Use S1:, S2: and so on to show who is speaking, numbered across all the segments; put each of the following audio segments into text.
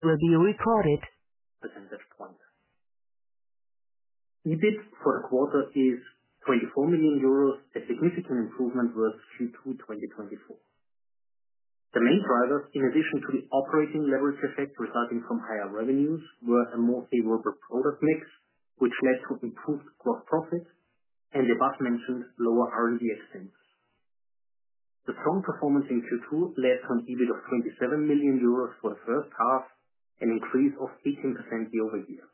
S1: Review recorded.
S2: The end of quarter. We did, for the quarter, 24 million euros, a significant improvement versus Q2 2024. The main drivers, in addition to the operating leverage effect resulting from higher revenues, were a more favorable product mix, which led to improved gross profit and the above-mentioned lower R&D expense. The current performance in Q2 led to an EBIT of 27 million euros for the first half, an increase of 18% year-over-year.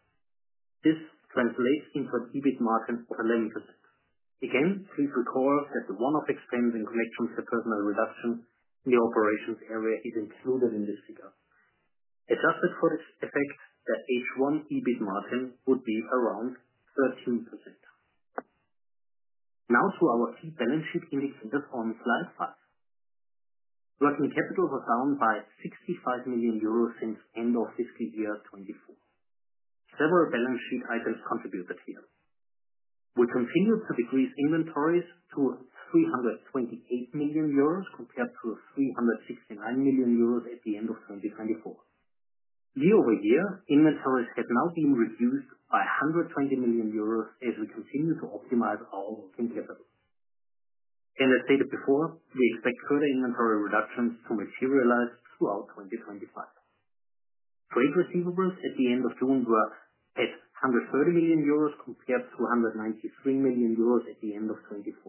S2: This translates into an EBIT margin of 11%. Again, please recall that the one-off expense in connection to the personnel reduction in the operations area is included in this figure. Adjusted for this effect, the H1 EBIT margin would be around 13%. Now, to our key balance sheet indexed on slide five. Working capital was down by 65 million euros since end of fiscal year 2024. Several balance sheet items contributed here. We continued to decrease inventories to 328 million euros compared to 369 million euros at the end of 2024. Year-over-year, inventories have now been reduced by 120 million euros as we continue to optimize our working capital. As stated before, we expect further inventory reductions to materialize throughout 2025. Trade receivables at the end of June were at 130 million euros compared to 193 million euros at the end of 2024.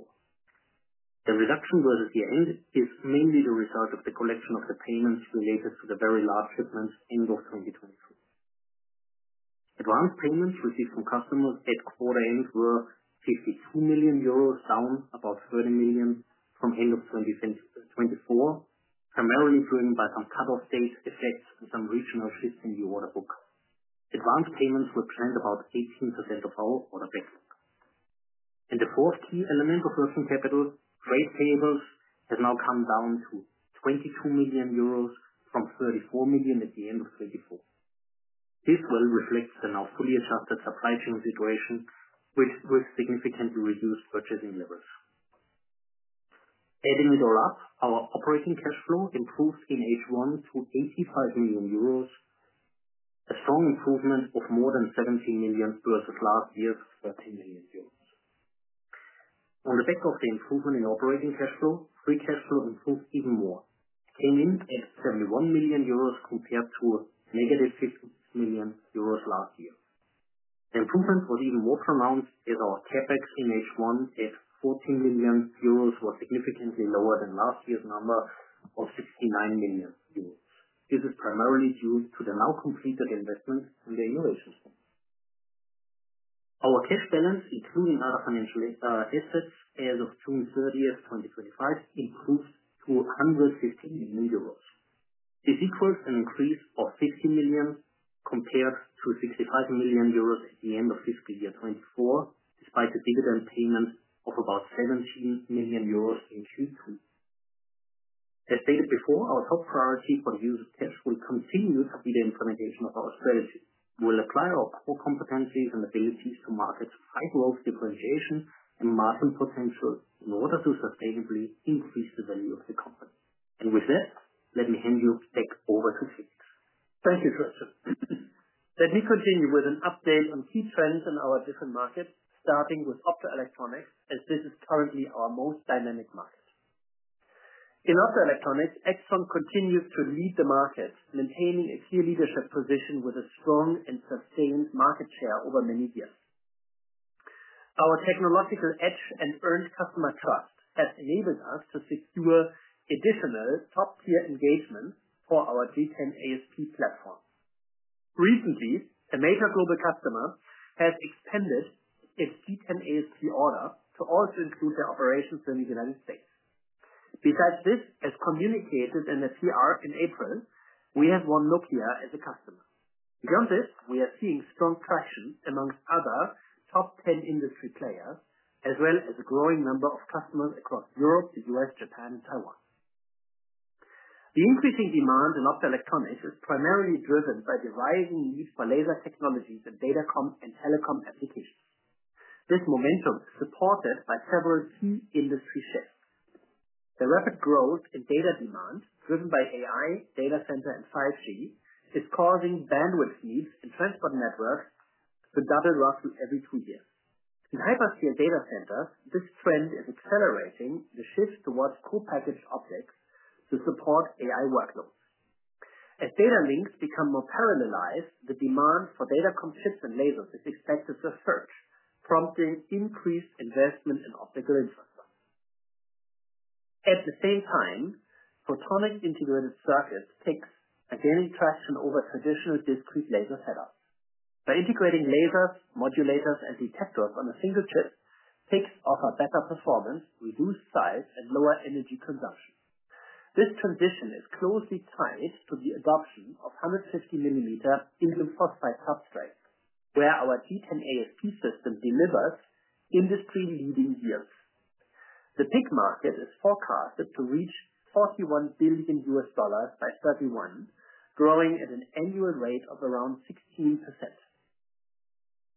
S2: The reduction versus year end is mainly the result of the collection of the payments related to the very large shipments end of 2023. Advanced payments received from customers at quarter end were 52 million euros, down about 30 million from end of 2024, primarily driven by some cut-off date effects and some regional shifts in the order book. Advanced payments were planned about 18% of our order base. The fourth key element of working capital, trade payables, have now come down to 22 million euros from 34 million at the end of 2024. This well reflects the now fully adjusted supply chain situation, which will significantly reduce purchasing levels. Adding it all up, our operating cash flow improves in H1 to 85 million euros, a strong improvement of more than 17 million versus last year's 13 million euros. On the back of the improvement in operating cash flow, free cash flow improves even more, aiming at 71 million euros compared to negative 56 million euros last year. The improvement was even more pronounced as our CapEx in H1 at 14 million euros was significantly lower than last year's number of 69 million euros. This is primarily due to the now completed investments with the innovation fund. Our cash balance, including other financial assets, as of June 30th, 2025, improves to 115 million euros. This equals an increase of 16 million compared to 65 million euros at the end of fiscal year 2024, despite the dividend payment of about 17 million euros in Q2. As stated before, our top priority for the year’s test will continue to be the implementation of our strategy. We will apply our core competencies and abilities to market high growth differentiation and market potential in order to sustainably increase the value of the company. With that, let me hand you back over to Felix.
S3: Thank you, Christian. Let me continue with an update on key trends in our different markets, starting with optoelectronics, as this is currently our most dynamic market. In optoelectronics, AIXTRON continues to lead the market, maintaining a clear leadership position with a strong and sustained market share over many years. Our technological edge and earned customer trust have enabled us to secure additional top-tier engagements for our G10-AsP platform. Recently, a major global customer has extended its G10-AsP order to also include their operations in the U.S. Besides this, as communicated in the CR in April, we have won Nokia as a customer. Beyond this, we are seeing strong traction amongst other top 10 industry players, as well as a growing number of customers across Europe, the U.S., Japan, and Taiwan. The increasing demand in optoelectronics is primarily driven by the rising need for laser technologies in data and telecom applications. This momentum is supported by several key industry shifts. The rapid growth in data demand, driven by AI, data center, and 5G, is causing bandwidth needs in transport networks to double roughly every two years. In paper field data centers, this trend is accelerating the shift towards co-packaged optics to support AI workloads. As data links become more parallelized, the demand for datacom and lasers is expected to suffer, prompting increased investment in optical infrastructure. At the same time, photonic integrated circuits are gaining traction over traditional discrete laser setups. By integrating lasers, modulators, and detectors on a single chip, PICs offer better performance, reduced size, and lower energy consumption. This transition is closely tied to the adoption of 150 millimeter indium phosphate substrates, where our G10-AsP system delivers industry-leading yields. The PIC market is forecasted to reach $41 billion by 2031, growing at an annual rate of around 16%.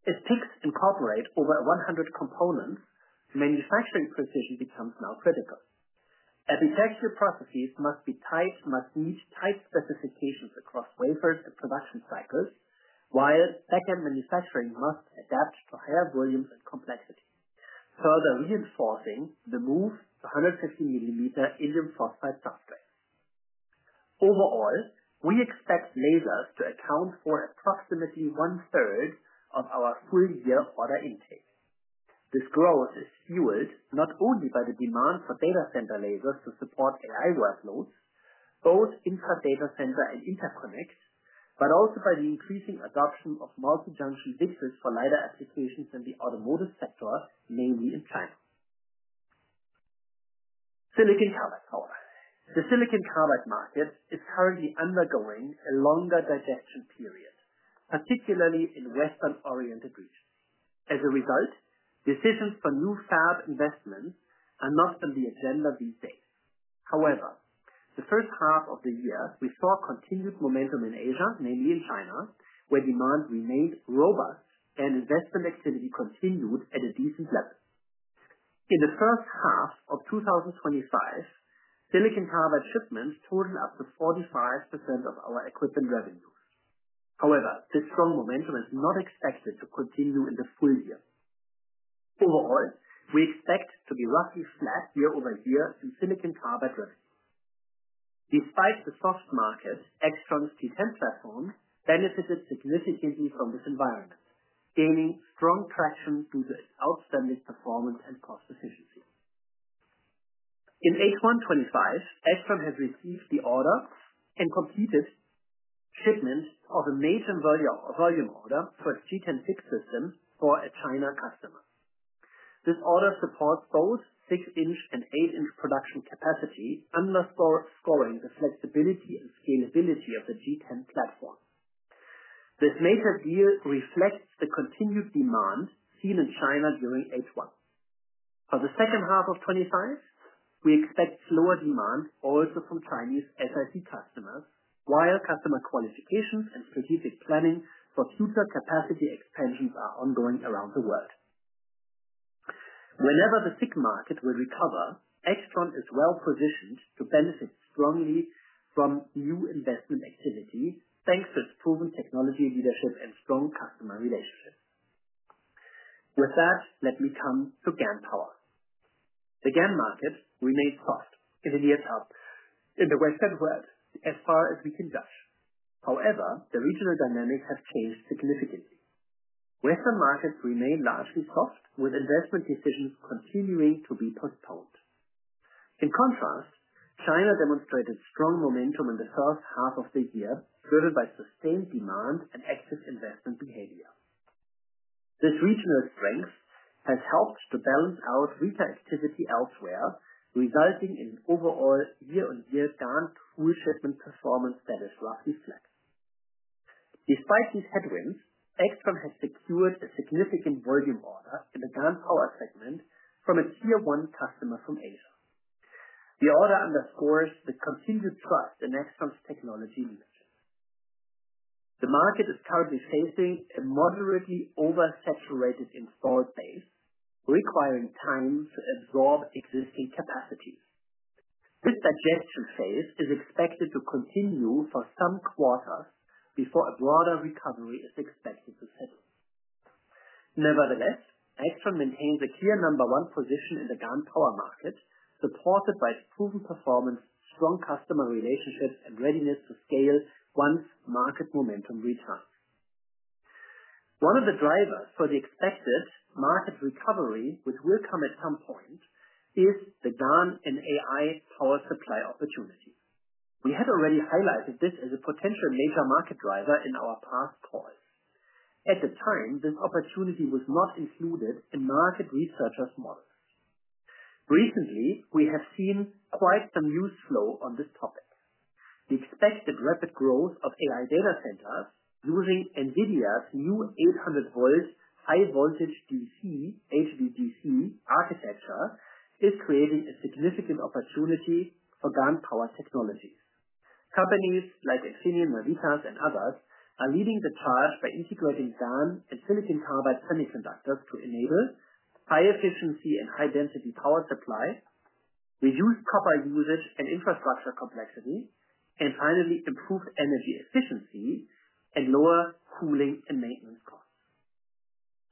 S3: As PICs incorporate over 100 components, manufacturing precision becomes now critical. Manufacturing processes must be tight, must meet tight specifications across wafers and production cycles, while backend manufacturing must adapt to higher volumes and complexity, further reinforcing the move to 150 mm indium phosphate substrates. Overall, we expect lasers to account for approximately one-third of our full-year order intake. This growth is fueled not only by the demand for datacom lasers to support AI workloads, both intra data center and interconnect, but also by the increasing adoption of multi-junction PICs for LiDAR applications in the automotive sector, namely in China. Silicon carbide. The silicon carbide market is currently undergoing a longer digestion period, particularly in Western-oriented regions. As a result, decisions for new fab investments are not on the agenda these days. However, in the first half of the year, we saw continued momentum in Asia, namely in China, where demand remained robust and investment activity continued at a decent level. In the first half of 2025, silicon carbide shipments totaled up to 45% of our equipment revenues. However, this strong momentum is not expected to continue in the full year. Overall, we expect to be roughly flat year-over-year in silicon carbide revenue. Despite the soft market, AIXTRON's G10 platform benefited significantly from this environment, gaining strong traction due to its outstanding performance and cost efficiency. In H1 2025, AIXTRON has received the order and completed shipments of a major volume order for its G10-SiC system for a China customer. This order supports both six-inch and eight-inch production capacity, underscoring the flexibility and scalability of the G10 platform. This major deal reflects the continued demand seen in China during H1. For the second half of 2025, we expect slower demand also from Chinese SiC customers, while customer qualifications and strategic planning for future capacity expansions are ongoing around the world. Whenever the SiC market will recover, AIXTRON is well-positioned to benefit strongly from new investment activity, thanks to its proven technology leadership and strong customer relationships. With that, let me come to GaN power. The GaN market remains soft in the years up in the Western world, as far as we can judge. However, the regional dynamics have changed significantly. Western markets remain largely soft, with investment decisions continuing to be postponed. In contrast, China demonstrated strong momentum in the first half of the year, driven by sustained demand and active investment behavior. This regional strength has helped to balance out weaker activity elsewhere, resulting in an overall year-on-year GaN tool shipment performance that is roughly flat. Despite these headwinds, AIXTRON has secured a significant volume order in the GaN power segment from its tier one customer from Asia. The order underscores the continued trust in AIXTRON's technology leadership. The market is currently facing a moderately oversaturated installed base, requiring time to absorb existing capacity. This digestion phase is expected to continue for some quarters before a broader recovery is expected to settle. Nevertheless, AIXTRON maintains a clear number one position in the GaN power market, supported by its proven performance, strong customer relationships, and readiness to scale once market momentum returns. One of the drivers for the expected market recovery, which will come at some point, is the GaN and AI power supply opportunity. We had already highlighted this as a potential major market driver in our past calls. At the time, this opportunity was not included in market researchers' models. Recently, we have seen quite some news flow on this topic. The expected rapid growth of AI data centers using NVIDIA's new 800 volts high voltage DC HVDC architecture is creating a significant opportunity for GaN power technologies. Companies like Infineon, Maritas, and others are leading the charge by integrating GaN and silicon carbide semiconductors to enable high efficiency and high density power supply, reduce copper usage and infrastructure complexity, and finally improve energy efficiency and lower cooling and maintenance costs.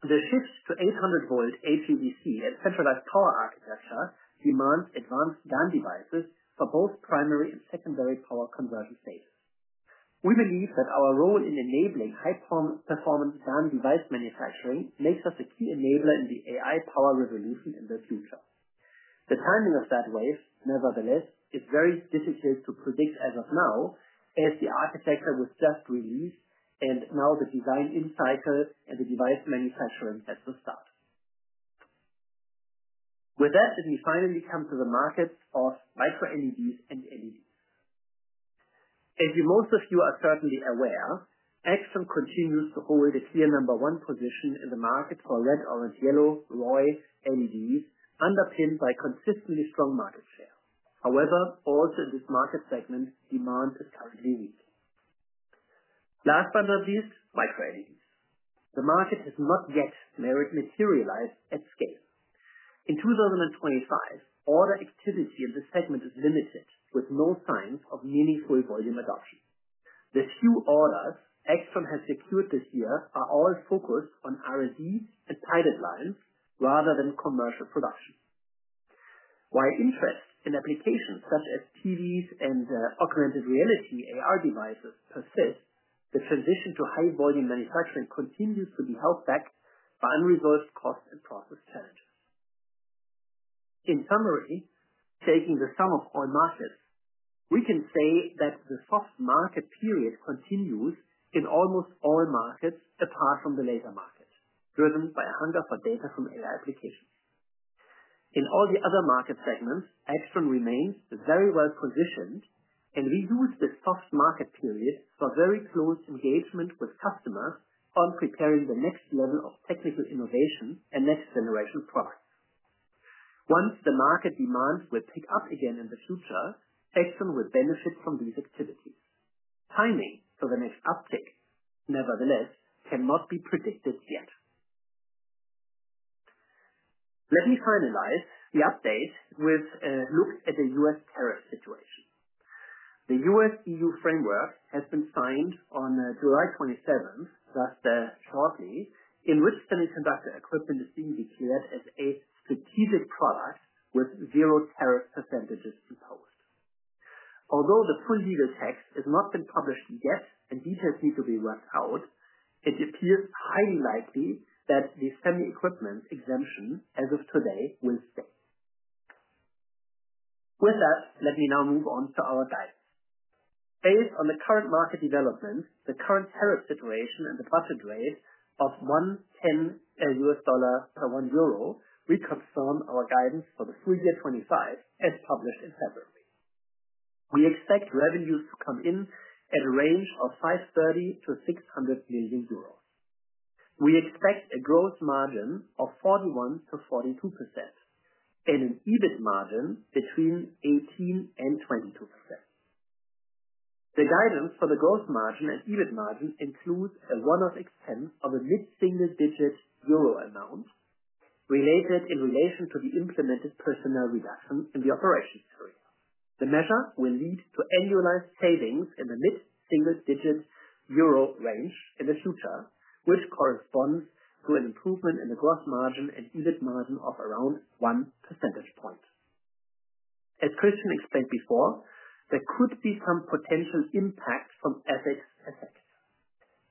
S3: The shifts to 800 volt HVDC and centralized power architecture demand advanced GaN devices for both primary and secondary power conversion stages. We believe that our role in enabling high-performance GaN device manufacturing makes us a key enabler in the AI power revolution in the future. The timing of that wave, nevertheless, is very difficult to predict as of now, as the architecture was just released and now the design-in cycle and the device manufacturing has to start. With that, let me finally come to the markets of micro LEDs and LEDs. As most of you are certainly aware, AIXTRON continues to hold a clear number one position in the market for red, orange, yellow, and ROY LEDs, underpinned by consistently strong market share. However, also in this market segment, demand is currently weak. Last but not least, micro LEDs. The market has not yet materialized at scale. In 2025, order activity in this segment is limited, with no signs of meaningful volume adoption. The few orders AIXTRON has secured this year are all focused on R&D and pilot lines rather than commercial production. While interest in applications such as TVs and augmented reality (AR) devices persists, the transition to high volume manufacturing continues to be held back by unresolved cost and process challenges. In summary, taking the sum of all markets, we can say that the soft market period continues in almost all markets apart from the laser market, driven by a hunger for data from AI applications. In all the other market segments, AIXTRON remains very well positioned and we use the soft market period for very close engagement with customers on preparing the next level of technical innovation and next generation products. Once the market demands will pick up again in the future, AIXTRON will benefit from these activities. Timing for the next update, nevertheless, cannot be predicted yet. Let me finalize the update with a look at the U.S. tariff situation. The U.S.-EU framework has been signed on July 27, thus shortly, in which semiconductor equipment is being declared as a strategic product with zero percentage tariffs imposed. Although the preliminary text has not been published yet and details need to be worked out, it appears highly likely that the semi-equipment exemption as of today will stay. With that, let me now move on to our guidance. Based on the current market development, the current tariff situation and the budget rate of $1.10 per one euro, we confirm our guidance for the full year 2025 as published in February. We expect revenues to come in at a range of 530 million-600 million euros. We expect a gross margin of 41%-42% and an EBIT margin between 18% and 22%. The guidance for the gross margin and EBIT margin includes a one-off expense of a mid-single-digit euro amount in relation to the implemented personnel reduction in the operations area. The measure will lead to annualized savings in the mid-single-digit euro range in the future, which corresponds to an improvement in the gross margin and EBIT margin of around one percentage point. As Christian explained before, there could be some potential impact from FX risks.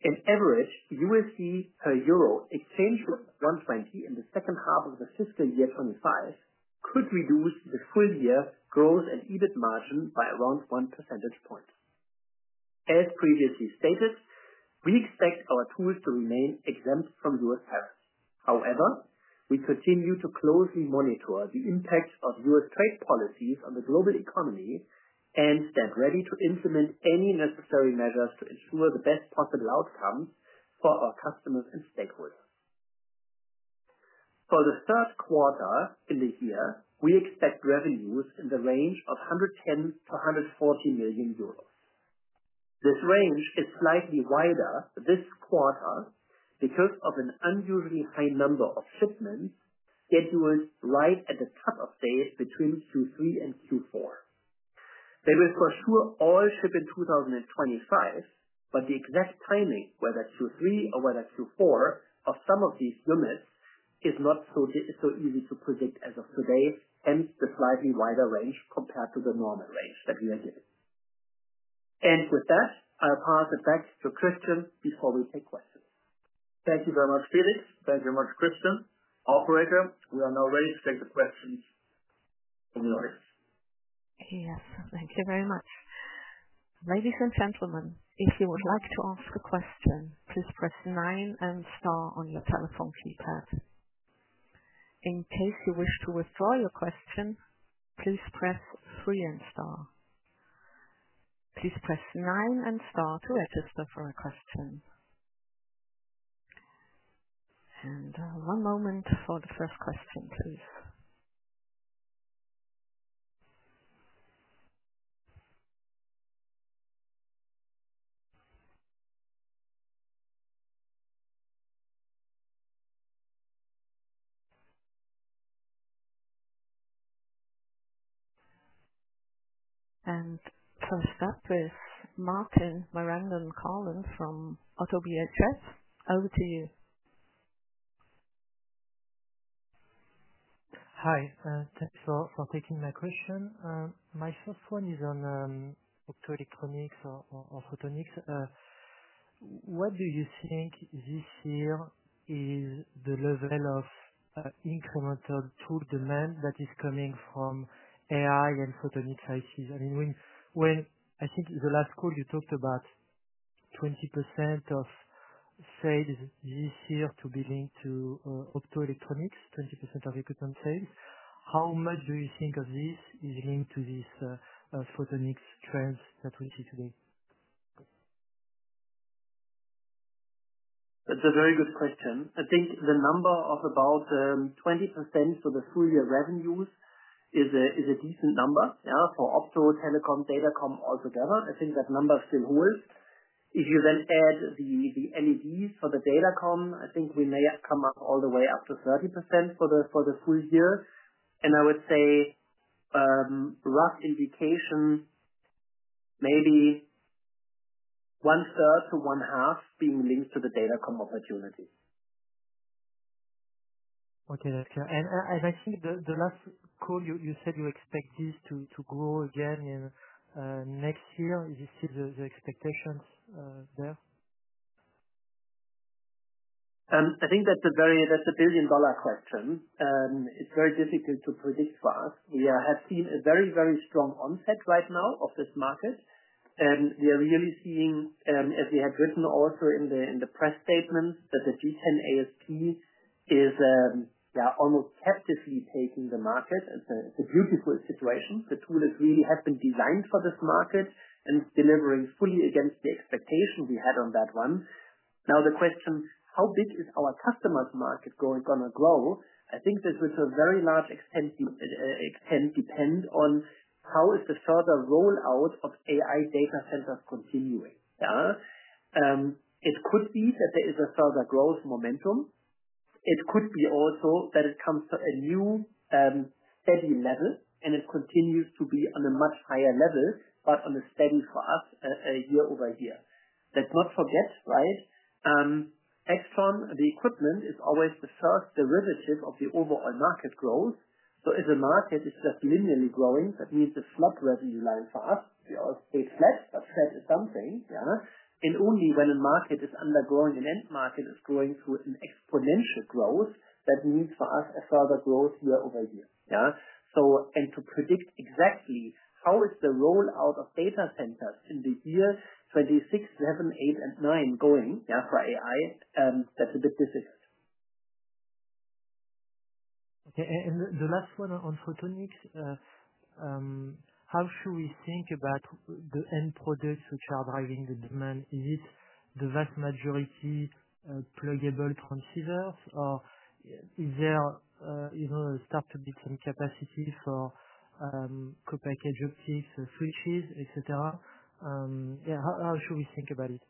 S3: An average USD per euro exchange rate of 1.20 in the second half of the fiscal year 2025 could reduce the full year growth and EBIT margin by around one percentage point. As previously stated, we expect our tools to remain exempt from U.S. tariffs. However, we continue to closely monitor the impacts of U.S. trade policies on the global economy and stand ready to implement any necessary measures to ensure the best possible outcomes for our customers and stakeholders. For the third quarter in the year, we expect revenues in the range of 110 million-140 million euros. This range is slightly wider this quarter because of an unusually high number of shipments scheduled right at the top of days between Q3 and Q4. They will for sure all ship in 2025, but the exact timing, whether Q3 or whether Q4, of some of these limits is not so easy to predict as of today and the slightly wider range compared to the normal range that we are given. With that, I'll pass it back to Christian before we take questions.
S4: Thank you very much, Felix. Thank you very much, Christian. All correct, we are now ready to take questions.
S1: Yes, thank you very much. Ladies and gentlemen, if you would like to ask a question, please press nine and star on your telephone keypad. In case you wish to withdraw your question, please press three and star. Please press nine and star to register for a question. One moment for the first question, please. First up is Martin calling from ODDO BHS. Over to you. Hi, thanks for taking my question. My first one is on optoelectronics or photonics. What do you think this year is the level of incremental tool demand that is coming from AI and photonic integrated circuits? I mean, when I think the last call you talked about 20% of sales this year to be linked to optoelectronics, 20% of equipment sales, how much do you think of this is linked to these photonics trends that we see today?
S3: That's a very good question. I think the number of about 20% for the full year revenues is a decent number, yeah, for opto, telecom, datacom altogether. I think that number still holds. If you then add the LEDs for the datacom, I think we may have come up all the way up to 30% for the full year. I would say rough indications maybe one-third to one-half being linked to the datacom opportunities. Okay, thank you. I see the last call you said you expect this to grow again next year. Is it the expectations there? I think that's a very, that's a billion-dollar question. It's very difficult to predict for us. We have seen a very, very strong onset right now of this market. We are really seeing, as we have written also in the press statements, that the G10-AsP is almost captively taking the market. It's a beautiful situation. The tool has really been designed for this market and is delivering fully against the expectation we had on that one. Now the question, how big is our customers' market going to grow? I think this will to a very large extent depend on how is the further rollout of AI data centers continuing. It could be that there is a further growth momentum. It could be also that it comes to a new steady level and it continues to be on a much higher level, but on a steady for us year-over-year. Let's not forget, right? AIXTRON, the equipment is always the first derivative of the overall market growth. If the market is just linearly growing, that means the flat revenue line for us, we always stay flat, but flat is something. Only when a market is undergrowing and end market is growing through an exponential growth, that means for us a further growth yea- over-year. To predict exactly how is the rollout of data centers in the year 2026, 2027, 2028, and 2029 going, for AI, that's a bit difficult. Okay, and the last one on photonics, how should we think about the end products which are driving the demand? Is it the vast majority pluggable transceivers, or is there even a startup between capacity for co-package optics, switches, etc.? Yeah, how should we think about it?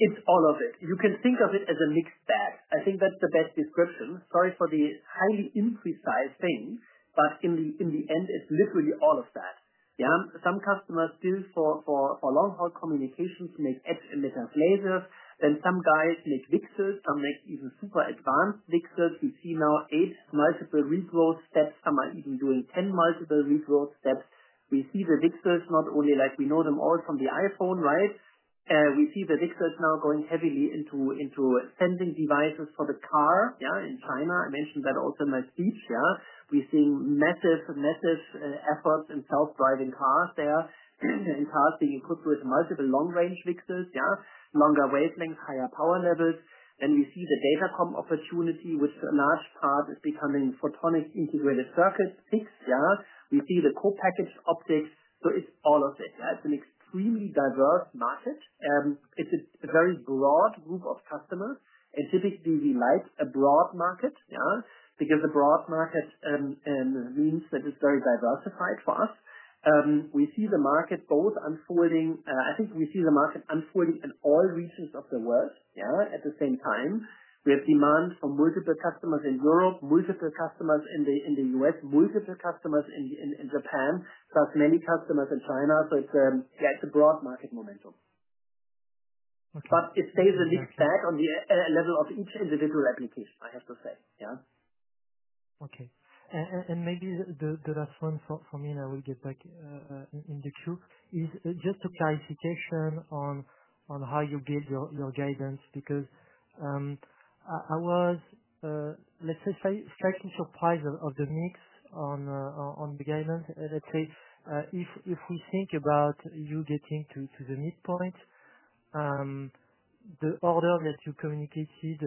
S3: It's all of it. You can think of it as a mixed bag. I think that's the best description. Sorry for the highly emphasized thing, but in the end, it's literally all of that. Some customers still for long-haul communications make etch and make as lasers, and some guys make VCSELs, some make even super advanced VCSELs. We see now eight multiple resource steps, some are even doing 10 multiple resource steps. We see the VCSELs not only like we know them all from the iPhone, right? We see the VCSELs now going heavily into extending devices for the car. In China, I mentioned that also in my speech. We're seeing massive, massive efforts in self-driving cars there, and cars being equipped with multiple long-range VCSELs, longer wavelengths, higher power levels. We see the datacom opportunity, which a large part is becoming photonic integrated circuits. We see the co-package optics. It's all of it. That's an extremely diverse market. It's a very broad group of customers, and typically we like a broad market, because a broad market means that it's very diversified for us. We see the market both unfolding. I think we see the market unfolding in all regions of the world at the same time. We have demand from multiple customers in Europe, multiple customers in the U.S., multiple customers in Japan, plus many customers in China. It's a broad market momentum. It stays a mixed bag on the level of each individual application, I have to say. Okay. Maybe the last one for me, and I will get back in the queue, is just a clarification on how you build your guidance because I was, let's say, slightly surprised of the mix on the guidance. If we think about you getting to the midpoint, the order that you communicated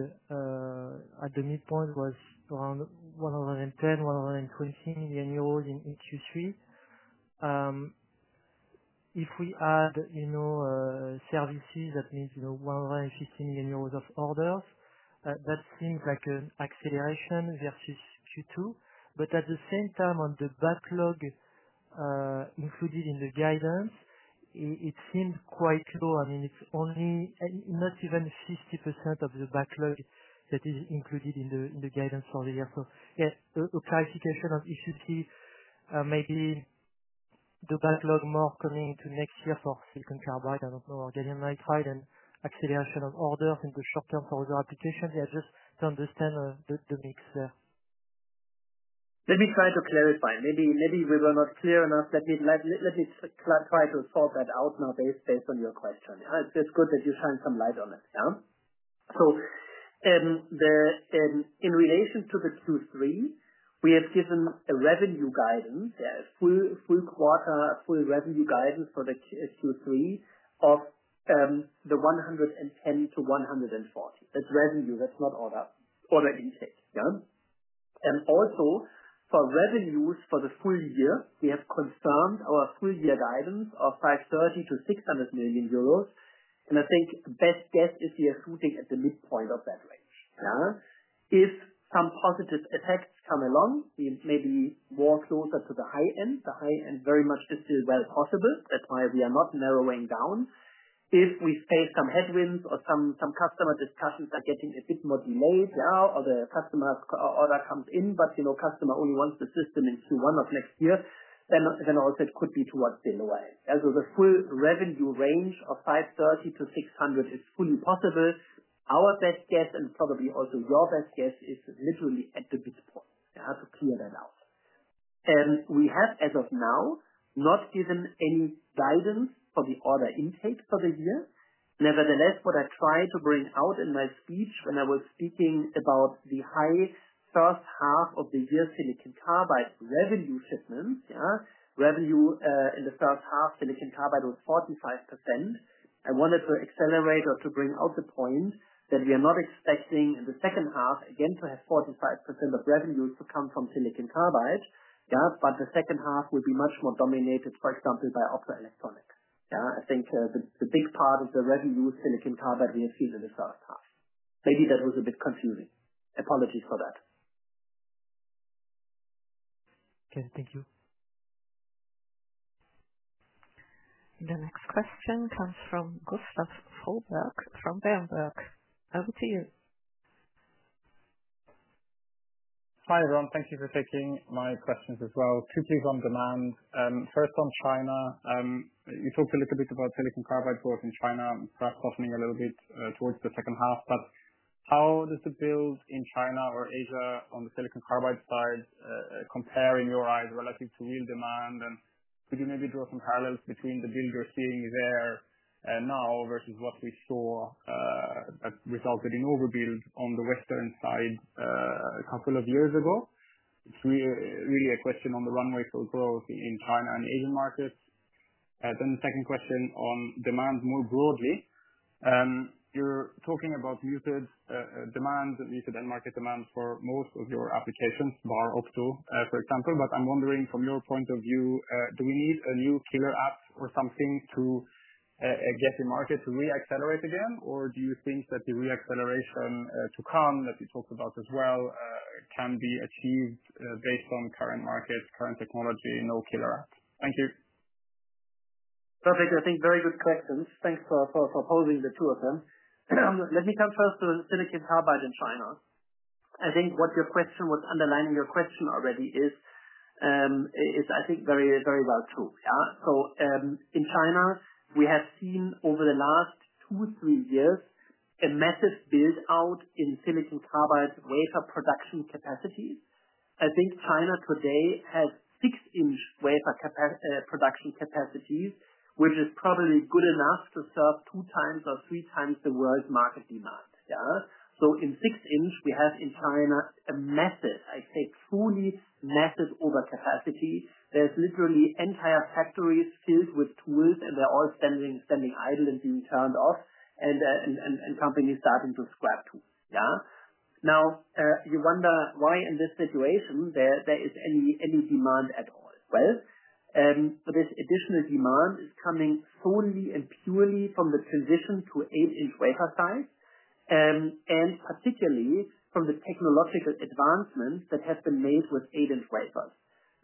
S3: at the midpoint was around 110 million euros, EUR 113 million in Q3. If we add, you know, services, that means 116 million euros of orders. That seems like an acceleration versus Q2. At the same time, on the backlog included in the guidance, it seemed quite low. I mean, it's only not even 50% of the backlog that is included in the guidance for the year. Yes, the clarification of ECP, maybe the backlog more coming to next year for silicon carbide, I don't know, or gallium nitride, and acceleration of orders in the short term for other applications. Just to understand the mix there. Let me try to clarify. Maybe we were not clear enough. Let me clarify to sort that out now based on your question. It's just good that you shine some light on it. In relation to the Q3, we have given a revenue guidance, a full quarter, a full revenue guidance for the Q3 of 110 million-140 million. That's revenue. That's not order details. Also, for revenues for the full year, we have confirmed our full year guidance of 530 million-600 million euros. I think the best guess is we are shooting at the midpoint of that range. If some positive effects come along, we may be more closer to the high end. The high end very much is still well possible. That's why we are not narrowing down. If we face some headwinds or some customer discussions are getting a bit more delayed, or the customer order comes in, but you know customer only wants the system in Q1 of next year, then also it could be towards the end of the year. The full revenue range of 530 million-600 million is fully possible. Our best guess, and probably also your best guess, is literally at the midpoint. I have to clear that out. We have, as of now, not given any guidance for the order intake for the year. Nevertheless, what I tried to bring out in my speech when I was speaking about the high first half of the year silicon carbide revenue shipments, revenue in the first half, silicon carbide was 45%. I wanted to accelerate or to bring out the point that we are not expecting in the second half, again, to have 45% of revenue to come from silicon carbide. The second half will be much more dominated, for example, by optoelectronics. I think the big part of the revenue is silicon carbide we have seen in the first half. Maybe that was a bit confusing. Apologies for that. Okay, thank you.
S1: The next question comes from Gustav Froberg from Berenberg. Over to you.
S5: Hi, Ron. Thank you for taking my questions as well. Two things on demand. First on China. You talked a little bit about silicon carbide for us in China, perhaps softening a little bit towards the second half. How does the build in China or Asia on the silicon carbide side compare in your eyes relative to real demand? Could you maybe draw some parallels between the build you're seeing there and now versus what we saw that resulted in overbuild on the Western side a couple of years ago? It's really a question on the run rate of growth in China and Asian markets. The second question on demand more broadly. You're talking about demand and market demand for most of your applications, bar opto, for example. I'm wondering, from your point of view, do we need a new killer app or something to get the market to reaccelerate again? Do you think that the reacceleration to come that you talked about as well can be achieved based on current markets, current technology, no killer app? Thank you.
S3: Perfect. I think very good questions. Thanks for posing the two of them. Let me come first to silicon carbide in China. I think what your question, what's underlining your question already is, I think, very, very well too. In China, we have seen over the last two, three years a massive build-out in silicon carbide wafer production capacities. I think China today has six-inch wafer production capacities, which is probably good enough to serve 2x or 3x the world's market demand. In six-inch, we have in China a massive, I'd say truly massive overcapacity. There's literally entire factories filled with tools, and they're all standing idle and being turned off, and companies starting to scrap tools. You wonder why in this situation there is any demand at all. This additional demand is coming solely and purely from the transition to eight-inch wafer size, and particularly from the technological advancements that have been made with eight-inch wafers.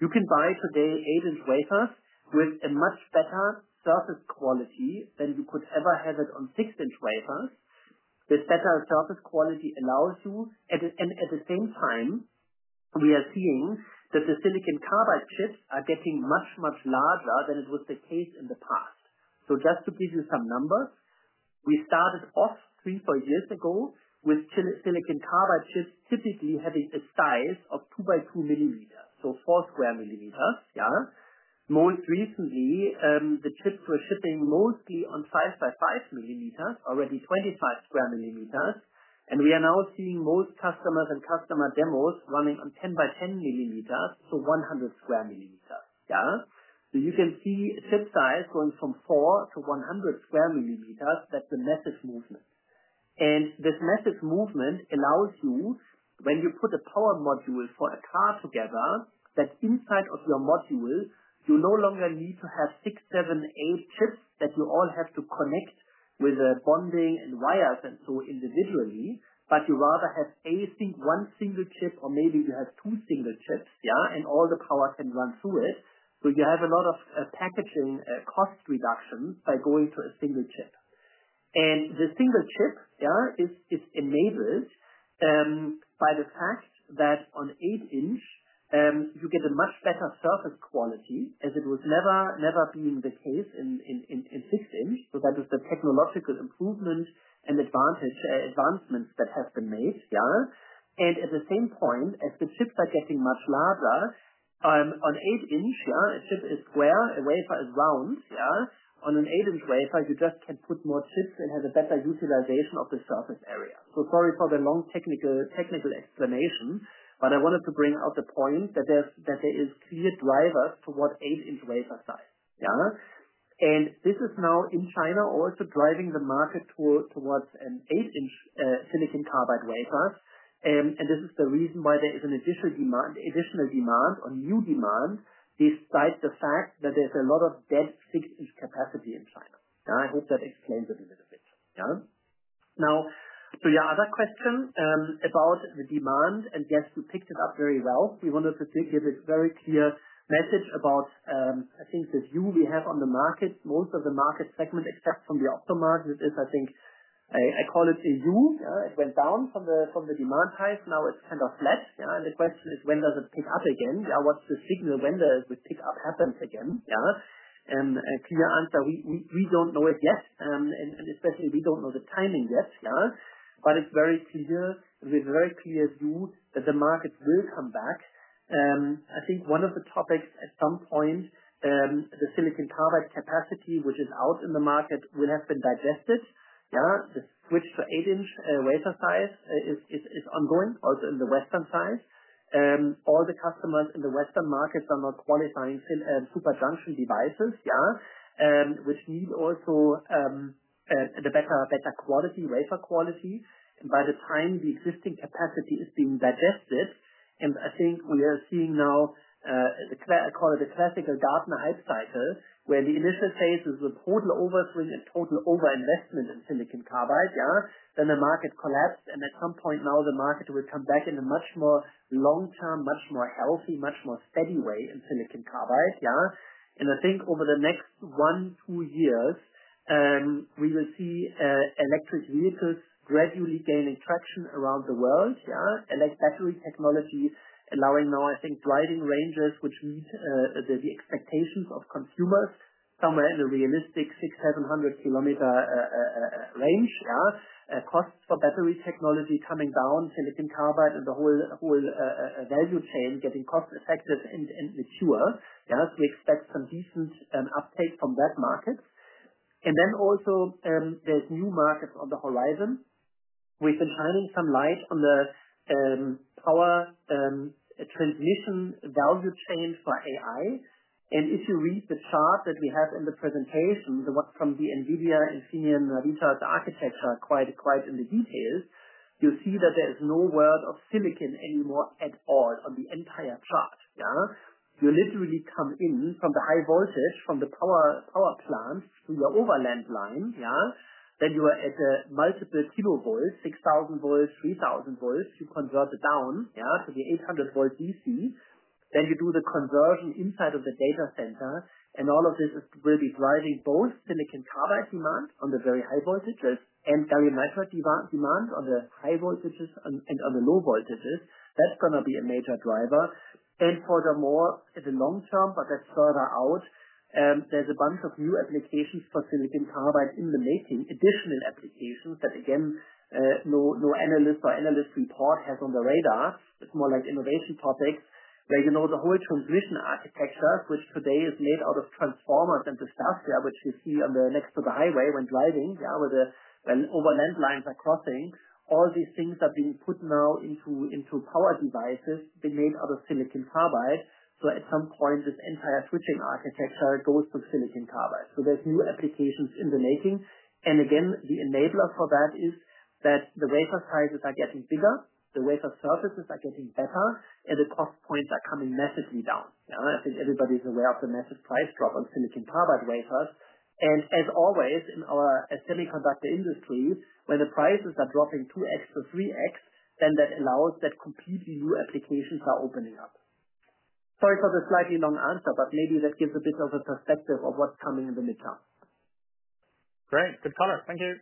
S3: You can buy today eight-inch wafers with a much better surface quality than you could ever have it on six-inch wafers. This better surface quality allows you, and at the same time, we are seeing that the silicon carbide chips are getting much, much larger than it was the case in the past. Just to give you some numbers, we started off three, four years ago with silicon carbide chips typically having a size of two by two millimeters, so four square millimeters. Most recently, the chips were shipping mostly on five by five millimeters, already 25 square millimeters. We are now seeing most customers and customer demos running on 10 by 10 mm, so 100 square millimeters. You can see a chip size going from four to 100 square millimeters, that's a massive movement. This massive movement allows you, when you put a power module for a car together, that inside of your module, you no longer need to have six, seven, eight chips that you all have to connect with bonding and wires and so individually, but you rather have a single chip or maybe you have two single chips, and all the power can run through it. You have a lot of packaging cost reduction by going to a single chip. The single chip is enabled by the fact that on eight-inch, you get a much better surface quality as it was never, never been the case in six-inch. That is the technological improvements and advancements that have been made. At the same point, as the chips are getting much larger, I'm on eight-inch, yeah, a chip is square, a wafer is round. On an eight-inch wafer, you just can put more chips and have a better utilization of the surface area. Sorry for the long technical explanation, but I wanted to bring out the point that there are clear drivers to what eight-inch wafer size. This is now in China also driving the market towards an eight-inch silicon carbide wafer. This is the reason why there is an additional demand on new demand despite the fact that there's a lot of dense six-inch capacity in China. I hope that explains it a little bit. Now, to your other question about the demand, and Jess, you picked it up very well. We wanted to give a very clear message about, I think, the view we have on the market. Most of the market segment except from the opto market, it is, I think, I call it a zoom. It went down from the demand size. Now it's kind of flat. The question is, when does it pick up again? What's the signal, when does the pickup happen again? A clear answer, we don't know it yet. Especially, we don't know the timing yet. It's very clear, with a very clear view that the market will come back. I think one of the topics at some point, the silicon carbide capacity, which is out in the market, will have been digested. The switch to eight-inch wafer size is ongoing, also in the Western side. All the customers in the Western markets are now qualifying super junction devices, which need also the better wafer quality. By the time the existing capacity is being digested, I think we are seeing now, I call it a classical Gartner hype cycle, where the initial phase is a total overthrowing and total overinvestment in silicon carbide. The market collapsed, and at some point now, the market will come back in a much more long-term, much more healthy, much more steady way in silicon carbide. I think over the next one, two years, we will see electric vehicles gradually gaining traction around the world. Electric battery technology allowing now, I think, driving ranges, which meet the expectations of consumers somewhere in a realistic 6,700 km range. Costs for battery technology coming down, silicon carbide, and the whole value chain getting cost-effective and mature. We expect some decent uptake from that market. There are also new markets on the horizon. We've been shining some light on our transition value chains for AI. If you read the chart that we have on the presentation, from the NVIDIA, Infineon, Maritas, the architects are quite in the details, you'll see that there is no word of silicon anymore at all on the entire chart. You literally come in from the high voltage from the power plants to your overland lines. You are at the multiple kilovolts, 6,000 volts, 3,000 volts. You convert it down to the 800 volt DC. You do the conversion inside of the data center. All of this will be driving both silicon carbide demand on the very high voltages and gallium nitride demand on the high voltages and on the low voltages. That's going to be a major driver. Furthermore, in the long term, but that's further out, there's a bunch of new applications for silicon carbide in the making, additional applications that no analyst or analyst report has on the radar. It's more like innovation topics where the whole transmission architecture, which today is made out of transformers and the stuff which you see next to the highway when driving, where the overland lines are crossing. All these things are being put now into power devices, being made out of silicon carbide. At some point, this entire switching architecture goes to silicon carbide. There are new applications in the making. The enabler for that is that the wafer sizes are getting bigger, the wafer surfaces are getting better, and the cost points are coming massively down. I think everybody is aware of the massive price drop on silicon carbide wafers. As always, in our semiconductor industry, when the prices are dropping 2X to 3X, that allows that completely new applications are opening up. Sorry for the slightly long answer, but maybe that gives a bit of a perspective of what's coming in the midterm.
S5: Great. Good product. Thank you.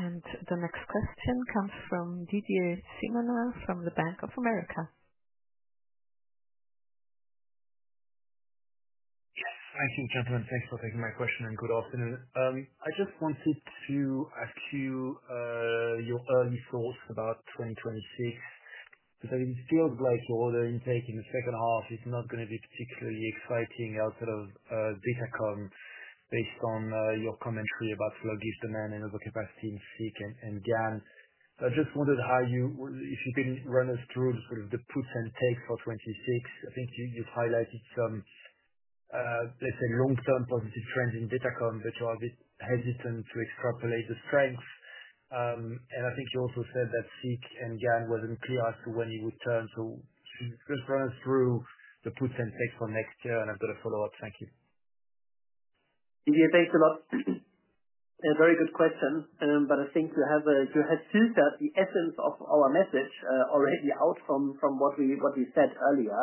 S1: The next question comes from Didier Scemama from Bank of America.
S6: Thank you, Kevin. Thanks for taking my question and good afternoon. I just wanted to ask you your early thoughts about 2026. I really feel like the order intake in the second half is not going to be particularly exciting outside of datacom based on your commentary about demand and overcapacity in photonic integrated circuits and GaN. I just wondered if you can run us through sort of the puts and takes for 2026. I think you've highlighted some, let's say, long-term positive trends in datacom, but I was a bit hesitant to extrapolate the trends. I think you also said that photonic integrated circuits and GaN wasn't clear as to when you would turn. Can you reference through the puts and takes for next year? I've got a follow up. Thank you.
S3: Thank you. Thanks a lot. Very good question. I think you have seen the essence of our message already out from what we said earlier.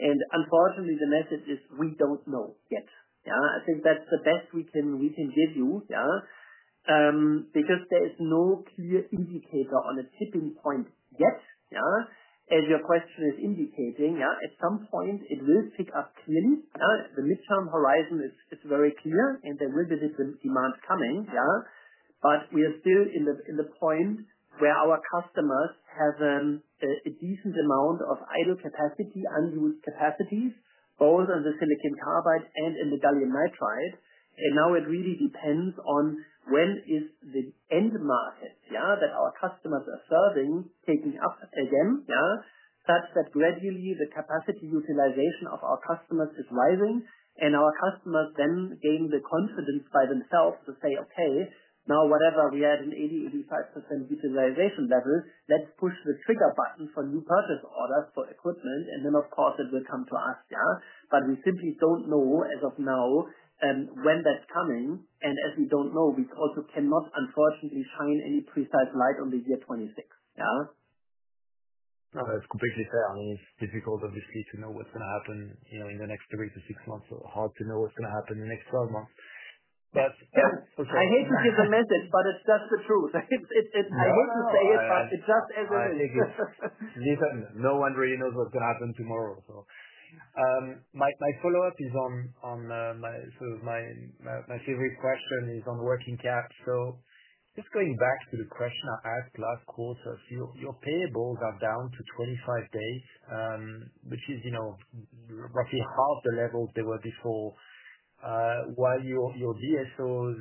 S3: Unfortunately, the message is we don't know yet. I think that's the best we can give you because there is no clear indicator on a tipping point yet. As your question is indicating, at some point, it will pick up clean. The midterm horizon is very clear, and there will be demands coming, but we are still in the point where our customers have a decent amount of idle capacity, unused capacities, both on the silicon carbide and in the gallium nitride. Now it really depends on when is the end market that our customers are serving taking up again. Gradually, the capacity utilization of our customers is rising, and our customers then gain the confidence by themselves to say, "Okay, now whatever we had an 80%, 85% utilization level, let's push the trigger button for new purchase orders for equipment." Of course, it will come to us, but we simply don't know as of now when that's coming. As we don't know, we also cannot, unfortunately, shine any precise light on the year 2026.
S6: No, that's completely fair. I mean, it's difficult obviously to know what's going to happen in the next three to six months. It's hard to know what's going to happen in the next 12 months.
S3: I hate to say the message, but that's the truth. I want to say it, but it's just as it is.
S6: I hear you. No one really knows what's going to happen tomorrow. My follow-up is on my favorite question, which is on working caps. Just going back to the question I asked last quarter, your payables are down to 25 days, which is roughly half the level they were before, while your DSOs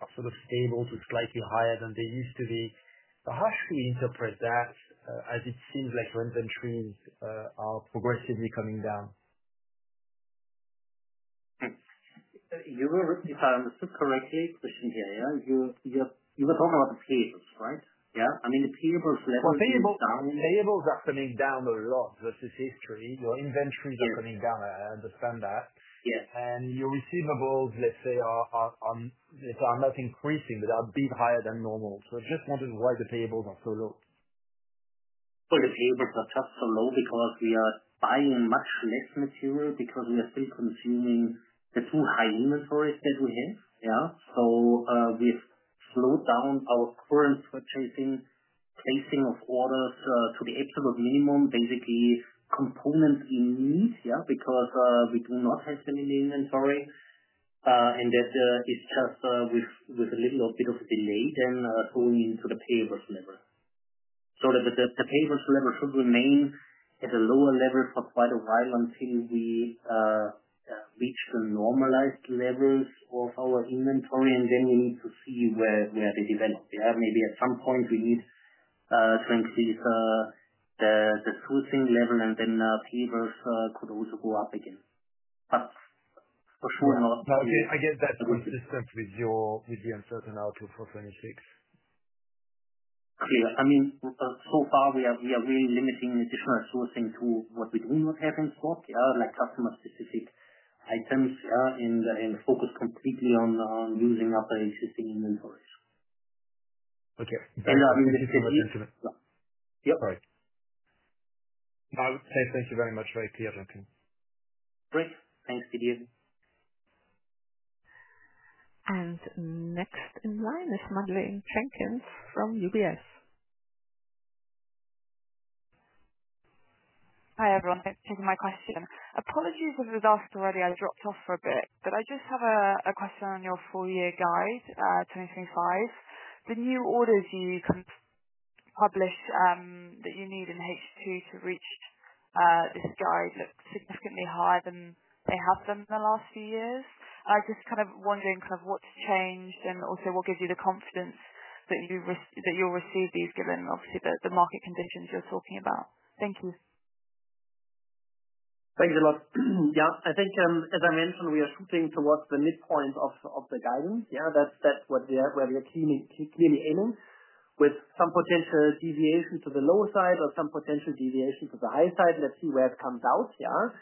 S6: are sort of stable to slightly higher than they used to be. Perhaps we interpret that, as it seems like rent and freeze are progressively coming down.
S2: You were. If I understood correctly, Christian here, you were talking about the payables, right? Yeah. I mean, payables are coming down.
S6: Payables are coming down a lot versus history. Inventories are coming down. I understand that. Yeah. Your receivables, let's say, are not increasing, but they are a bit higher than normal. I just wondered why the payables are so low.
S2: The payables are just so low because we are buying much less material because we are still consuming the two high inventories that we have. We've slowed down our current fluctuating basing of orders to the absolute minimum, basically components in need, because we do not have any inventory. That is just, with a little bit of a delay, then going into the payables level. The payables level should remain at a lower level for quite a while until we reach the normalized levels of our inventory, and then we need to see where they develop. Maybe at some point we need to increase the sourcing level, and then payables could also go up again. For sure.
S6: I guess that's a good instance with the uncertain outlook for 2026.
S2: Yeah. I mean, so far, we are really limiting the different sourcing to what we do not have in stock, like customer-specific items, and focus completely on using up existing inventories.
S6: Okay, this is what you're saying.
S2: Yep.
S6: All right. I would say thank you very much, right here, Christian.
S2: Great. Thanks, Didier.
S4: Next in line is Madeleine Jenkins from UBS.
S7: Hi, everyone. Thanks for the microphone again. Apologies for the last word. I dropped off for a bit, but I just have a question on your four-year guide, 2025. The new orders you publish that you need in H2 to reach a guide that's significantly higher than they have been in the last few years. I just kind of wondering what to change and also what gives you the confidence that you'll receive these given, obviously, the market conventions you're talking about. Thank you.
S3: Thanks a lot. Yeah. I think, as I mentioned, we are shooting towards the midpoint of the guidance. Yeah, that's what we are clearly aiming with some potential deviation to the lower side or some potential deviation to the high side. Let's see where it comes out. Yeah.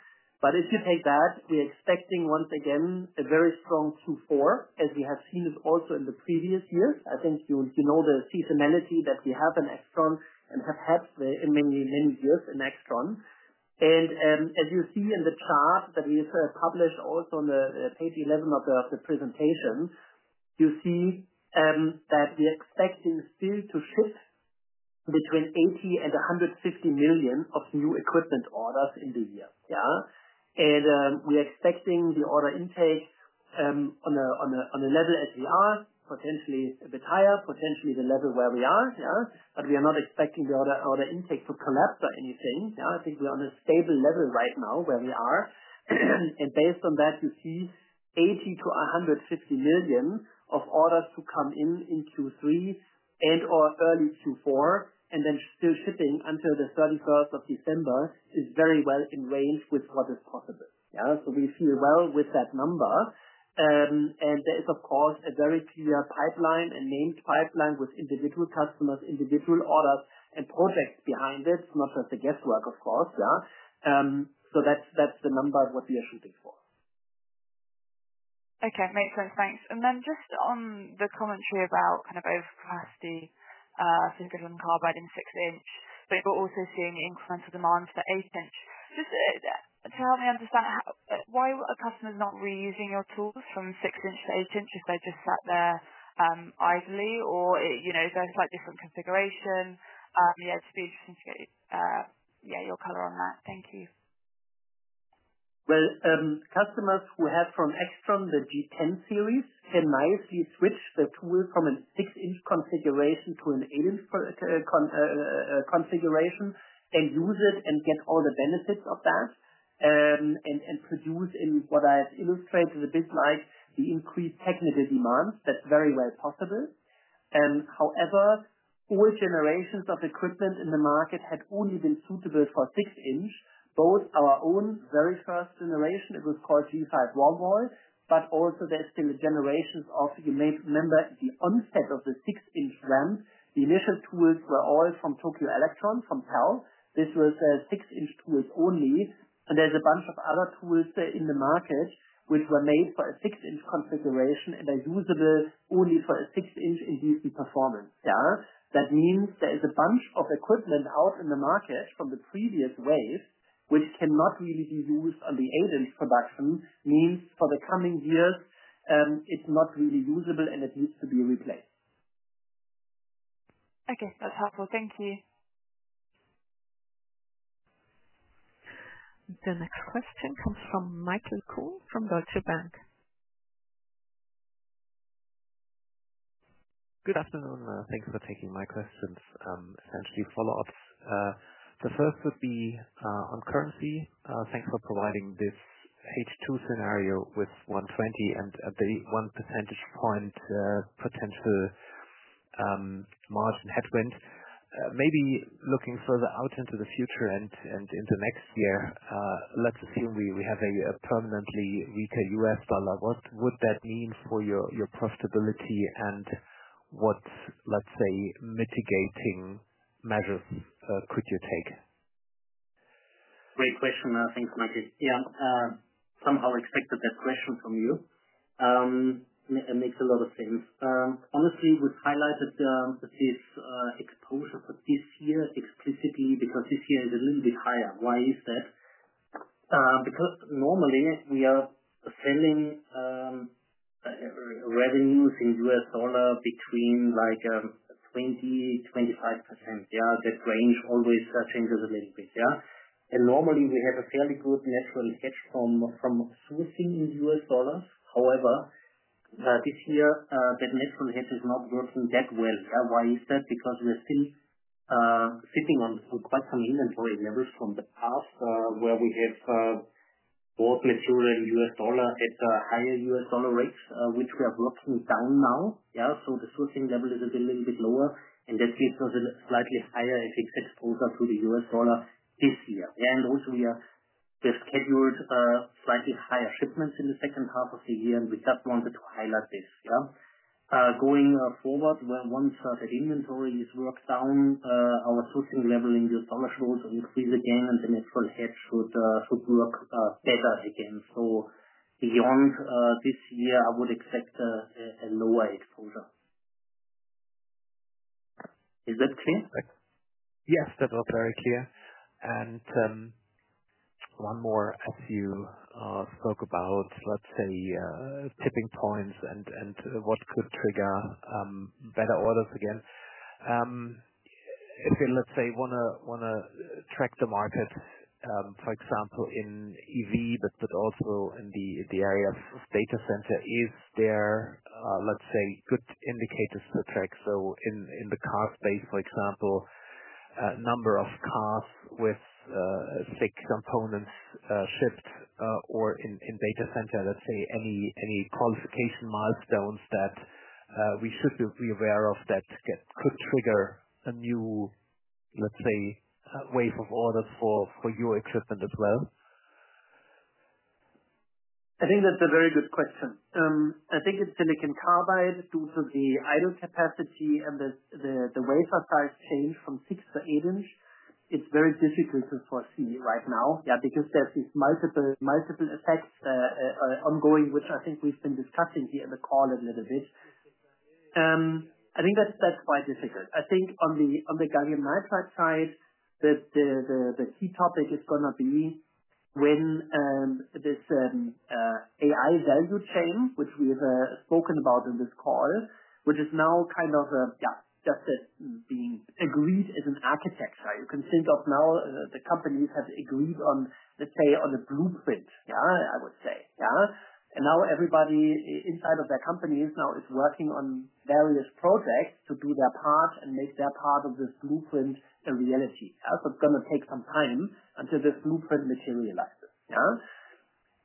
S3: If you take that, we are expecting once again a very strong Q4, as we have seen it also in the previous years. I think you know the seasonality that we have in AIXTRON and have had in many, many years in AIXTRON. As you see in the chart that is published also on page 11 of the presentation, you see that we are expecting still to ship between 80 million and 150 million of new equipment orders in the year. Yeah. We are expecting the order intake on a level as we are, potentially a bit higher, potentially the level where we are. Yeah. We are not expecting the order intake to collapse or anything. Yeah, I think we are on a stable level right now where we are. Based on that, you see 80 million-150 million of orders to come in in Q3 and/or early Q4, and then still shipping until the 31st of December is very well in range with what is possible. Yeah. We feel well with that number. There is, of course, a very clear pipeline, a named pipeline with individual customers, individual orders, and projects behind it, not just the guesswork, of course. Yeah. That's the number of what we are shooting for.
S7: Okay. Makes sense. Thanks. On the commentary about kind of overcapacity, silicon carbide in six-inch, but we're also seeing incremental demand for eight-inch. Just to help me understand, why are customers not reusing your tools from six-inch to eight-inch if they just sat there idly, or is there a slightly different configuration? Yeah, just be interesting to get your color on that. Thank you.
S3: Customers who have from AIXTRON the G10 series can nicely switch the tool from a six-inch configuration to an eight-inch configuration and use it and get all the benefits of that, and produce, in what I've illustrated a bit like, the increased technical demand. That's very well possible. However, all generations of equipment in the market had only been suitable for six-inch, both our own very first generation. It was called G5 Warmboy, but also there's still generations of, you may remember, the onset of the six-inch RAM. The initial tools were all from Tokyo Electron, from TEL. This was a six-inch tool only. There's a bunch of other tools in the market which were made for a six-inch configuration and are usable only for a six-inch in DC performance. That means there is a bunch of equipment out in the market from the previous waves which cannot really be used on the eight-inch production. Means for the coming years, it's not really usable and it needs to be replaced.
S7: Okay. That's helpful. Thank you.
S1: The next question comes from Michael Kuhn from Deutsche Bank.
S8: Good afternoon. Thank you for taking my questions. Essentially, follow-ups. The first would be on currency. Thanks for providing this H2 scenario with $1.20 and a day one 1% potential margin headwind. Maybe looking further out into the future and into next year, let's assume we have a permanently weaker U.S. dollar. What would that mean for your profitability and what, let's say, mitigating measures could you take?
S3: Great question. Thanks, Michael. Some are expected that question from you. It makes a lot of sense. Honestly, I would highlight that this exposure for this year explicitly because this year is a little bit higher. Why is that? Because normally, we are selling revenues in U.S. dollars between like 20%-25%. That range always changes a little bit. Normally, we had a fairly good net revenue from sourcing in U.S. dollars. However, this year, that net revenue is not working that well. Why is that? Because we are still sitting on quite some inventory levels from the past where we have bought material in U.S. dollar at a higher U.S. dollar rate, which we are working down now. The sourcing level is a little bit lower, and that's because of the slightly higher exposure to the U.S. dollar this year. Also, we have scheduled slightly higher shipments in the second half of the year, and we started to highlight this. Going forward, once that inventory is worked down, our sourcing level in U.S. dollars will also increase again, and the net revenue should work better again. Beyond this year, I would expect a lower exposure. Is that clear?
S8: Yes, that's all very clear. One more to talk about, let's say, tipping points and what could trigger better orders again. If you, let's say, want to track the market, for example, in EV, but also in the area of data center, is there, let's say, good indicators to track? In the car space, for example, a number of cars with big components shipped, or in data center, let's say, any qualification milestones that we should be aware of that could trigger a new, let's say, wave of orders for your equipment as well?
S3: I think that's a very good question. I think in silicon carbide, due to the idle capacity and the wafer size change from six to eight inch, it's very difficult to foresee right now because there's these multiple effects ongoing, which I think we've been discussing here in the call a little bit. I think that's quite difficult. I think on the gallium nitride side, the key topic is going to be when this AI value chain, which we have spoken about in this call, which is now kind of just being agreed as an architecture. You can think of now the companies have agreed on, let's say, on a blueprint, I would say. Now everybody inside of their companies is working on various projects to do their part and make their part of this blueprint a reality. It's going to take some time until this blueprint materializes.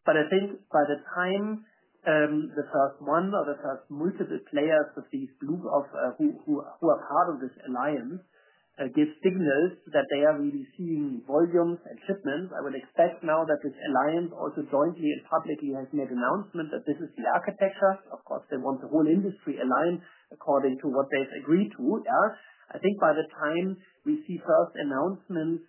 S3: I think by the time the first one or the first multiple players with these groups, who are part of this alliance, give signals that they are really seeing volumes and shipments, I would expect now that this alliance also jointly and publicly has made announcements that this is the architecture. Of course, they want the whole industry aligned according to what they've agreed to. I think by the time we see first announcements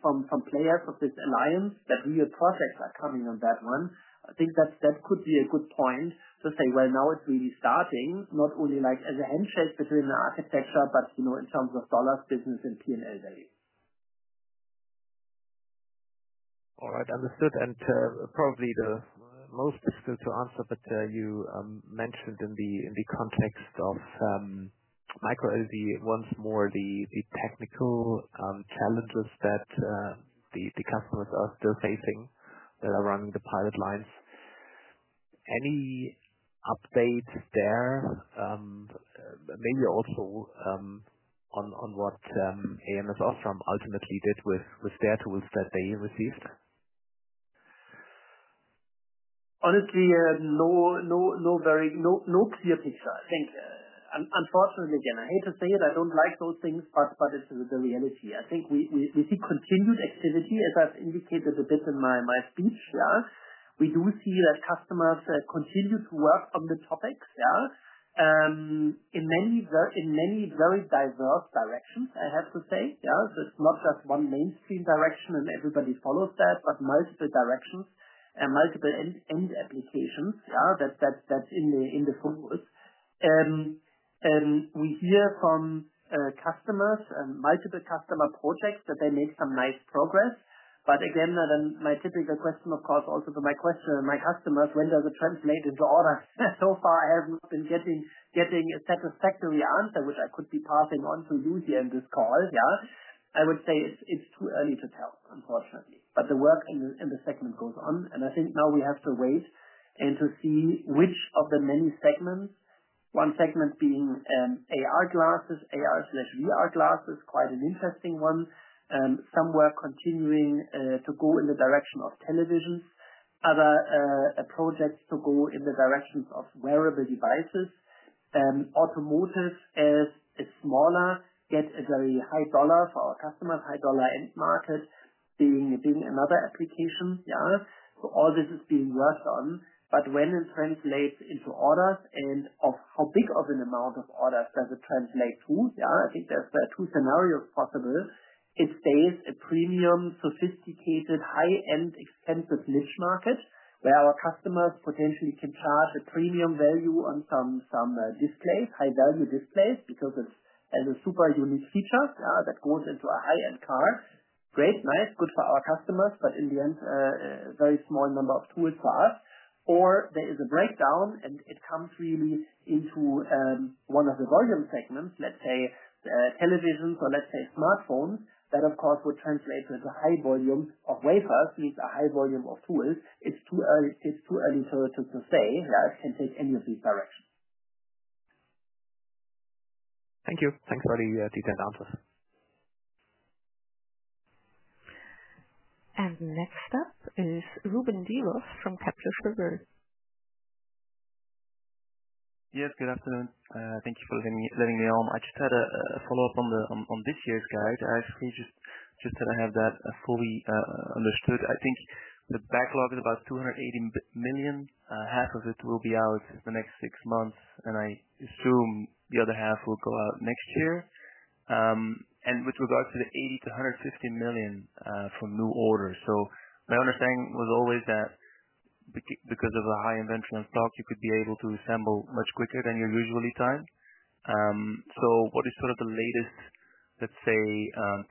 S3: from players of this alliance that real projects are coming on that one, that could be a good point to say it's really starting, not only like as a handshake between the architecture, but in terms of dollars, business, and P&L value.
S8: All right. Understood. You mentioned in the context of micro LED once more the technical challenges that the customers are still facing that are running the pilot lines. Any update there? Maybe also on what AMS-OSRAM ultimately did with their tools that they received?
S3: Honestly, no, no very clear picture. Unfortunately, again, I hate to say it. I don't like those things, but it's the reality. I think we see continued activity, as I've indicated a bit in my speech. We do see that customers continue to work on the topic in many very diverse directions, I have to say. It's not just one mainstream direction and everybody follows that, but multiple directions and multiple end applications, that's in the focus. We hear from customers and multiple customer projects that they make some nice progress. My typical question, of course, also to my customers, is when does it translate into orders? So far, I haven't been getting a satisfactory answer, which I could be passing on to you here in this call. I would say it's too early to tell, unfortunately. The work in the segment goes on. I think now we have to wait and see which of the many segments, one segment being AR glasses, AR/VR glasses, quite an interesting one. Some work is continuing to go in the direction of televisions, other projects to go in the directions of wearable devices. Automotive, as it's smaller, gets a very high dollar for our customers, high dollar end market being another application. All this is being worked on. When it translates into orders and of how big of an amount of orders does it translate to? I think there's two scenarios possible. It stays a premium, sophisticated, high-end, expensive niche market where our customers potentially can charge a premium value on some high-value displays because it has a super unique feature that goes into a high-end car. Great, nice, good for our customers, but in the end, a very small number of tools for us. There is a breakdown and it comes really into one of the volume segments, let's say, televisions or let's say smartphones that, of course, would translate to a high volume of wafers, needs a high volume of tools. It's too early to say that it can take any of these directions.
S8: Thank you. Thanks for the detailed answers.
S1: Next up is Ruben Devos from Kepler Cheuvreux.
S9: Yes, good afternoon. Thank you for letting me on. I just had a follow-up on this year's guide. I just wish to tell I have that fully understood. I think the backlog is about $280 million. Half of it will be out the next six months, I assume the other half will go out next year. With regards to the $80 million-$150 million for new orders, my understanding was always that because of a high invention and stock, you could be able to assemble much quicker than your usual lead time. What is sort of the latest, let's say,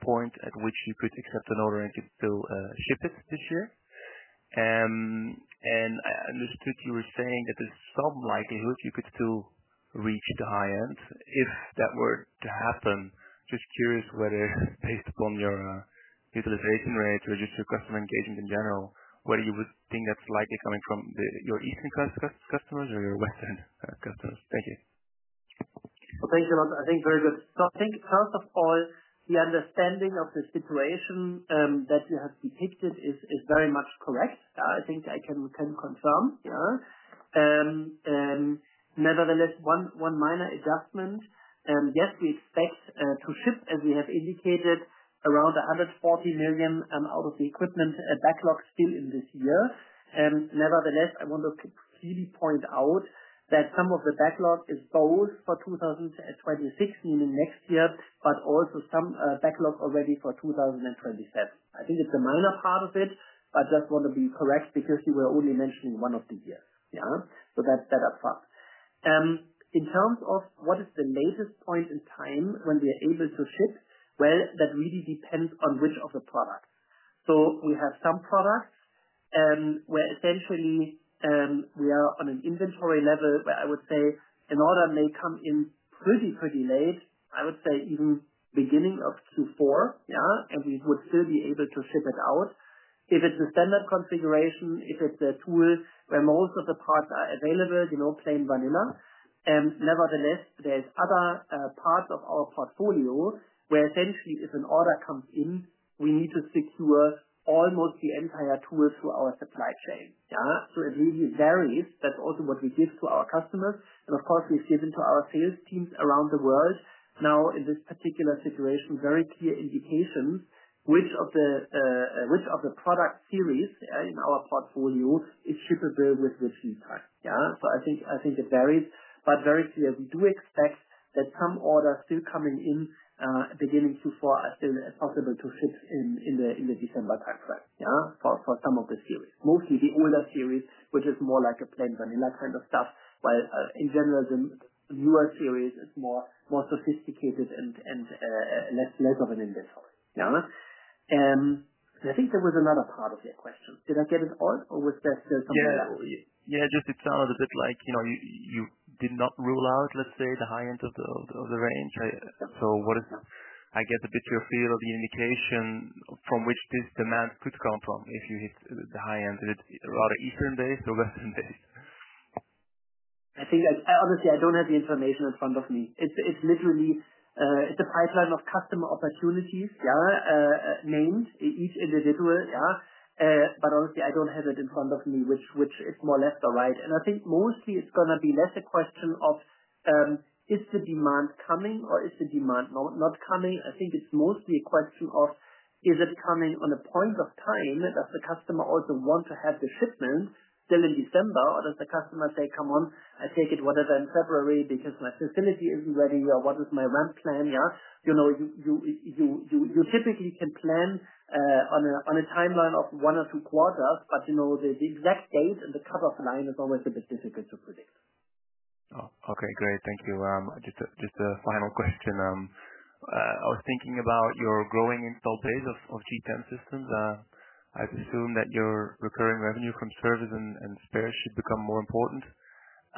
S9: point at which you could accept an order and you could still ship it this year? I understood you were saying that there's some likelihood you could still reach the high end. If that were to happen, just curious whether, based upon your utilization rate or just your customer engagement in general, you would think that's likely coming from your Eastern customers or your Western customers. Thank you.
S3: Thanks a lot. I think very good. First of all, the understanding of the situation that you have depicted is very much correct. I can confirm. Nevertheless, one minor adjustment. Yes, we expect to ship, as we have indicated, around $140 million out of the equipment backlog still in this year. Nevertheless, I want to clearly point out that some of the backlog is both for 2026, meaning next year, but also some backlog already for 2027. I think it's a minor part of it, but just want to be correct because you were only mentioning one of the years. That's that upfront. In terms of what is the latest point in time when we are able to ship, that really depends on which of the products. We have some products where essentially we are on an inventory level where I would say an order may come in pretty, pretty late, I would say even beginning of Q4, and we would still be able to ship it out. If it's a standard configuration, if it's a tool where most of the parts are available, you know, plain vanilla, and nevertheless, there's other parts of our portfolio where essentially if an order comes in, we need to secure almost the entire tool through our supply chain. It really varies. That's also what we give to our customers. Of course, we ship into our sales teams around the world. Now, in this particular situation, very clear indications which of the product series in our portfolio is shippable with which lead time. I think it varies. Very clear, we do expect that some orders still coming in beginning Q4 are still possible to ship in the December timeframe for some of the series. Mostly the older series, which is more like a plain vanilla kind of stuff, while a general, newer series is more sophisticated and less of an investment. I think there was another part of your question. Did I get it all, or was there something else?
S9: It sounded a bit like you did not rule out, let's say, the high end of the range. What is, I guess, a bit your feel of the indication from which this demand could come from if you hit the high end? Is it rather Eastern-based or Western-based?
S3: I think, honestly, I don't have the information in front of me. It's literally a pipeline of customer opportunities, named each individual. Honestly, I don't have it in front of me which is more left or right. I think mostly it's going to be less a question of, is the demand coming or is the demand not coming? I think it's mostly a question of, is it coming at a point of time that the customer also wants to have the shipment done in December, or does the customer say, "Come on, I take it whatever in February because my facility isn't ready," or, "What is my RAM plan?" You know, you typically can plan on a timeline of one or two quarters, but the exact date and the cutoff line is always a bit difficult to predict.
S9: Oh, okay. Great. Thank you. Just a final question. I was thinking about your growing installed base of G10 systems. I presume that your recurring revenue from service and spares should become more important.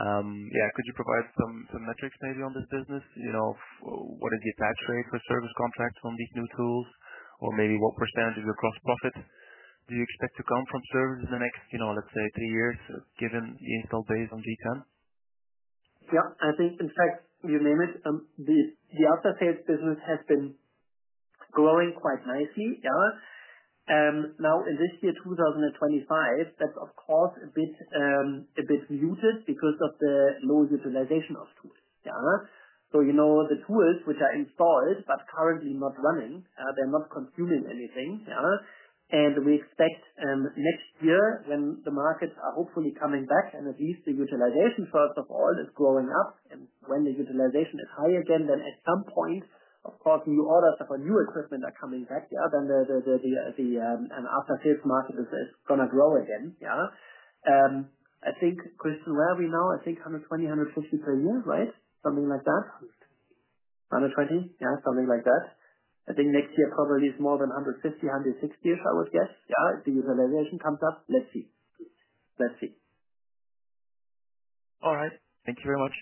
S9: Yeah, could you provide some metrics maybe on this business? You know, what is the attached rate for service contracts on these new tools? Or maybe what percentage of your gross profit do you expect to come from service in the next, you know, let's say, three years given the installed base on G10?
S3: Yeah. I think, in fact, you name it. The after-sales business has been growing quite nicely. Now, in this year 2025, that's, of course, a bit muted because of the low utilization of tools. You know the tools which are installed but currently not running. They're not consuming anything. We expect next year when the markets are hopefully coming back and at least the utilization, first of all, is growing up. When the utilization is high again, at some point, of course, new orders for new equipment are coming back. The after-sales market is going to grow again. I think, Christian, where are we now? I think $120 million, $150 million per year, right? Something like that. $120 million. Yeah, something like that. I think next year probably is more than $150 million, $160 million if I would guess, if the utilization comes up. Let's see. Let's see. All right.
S9: Thank you very much.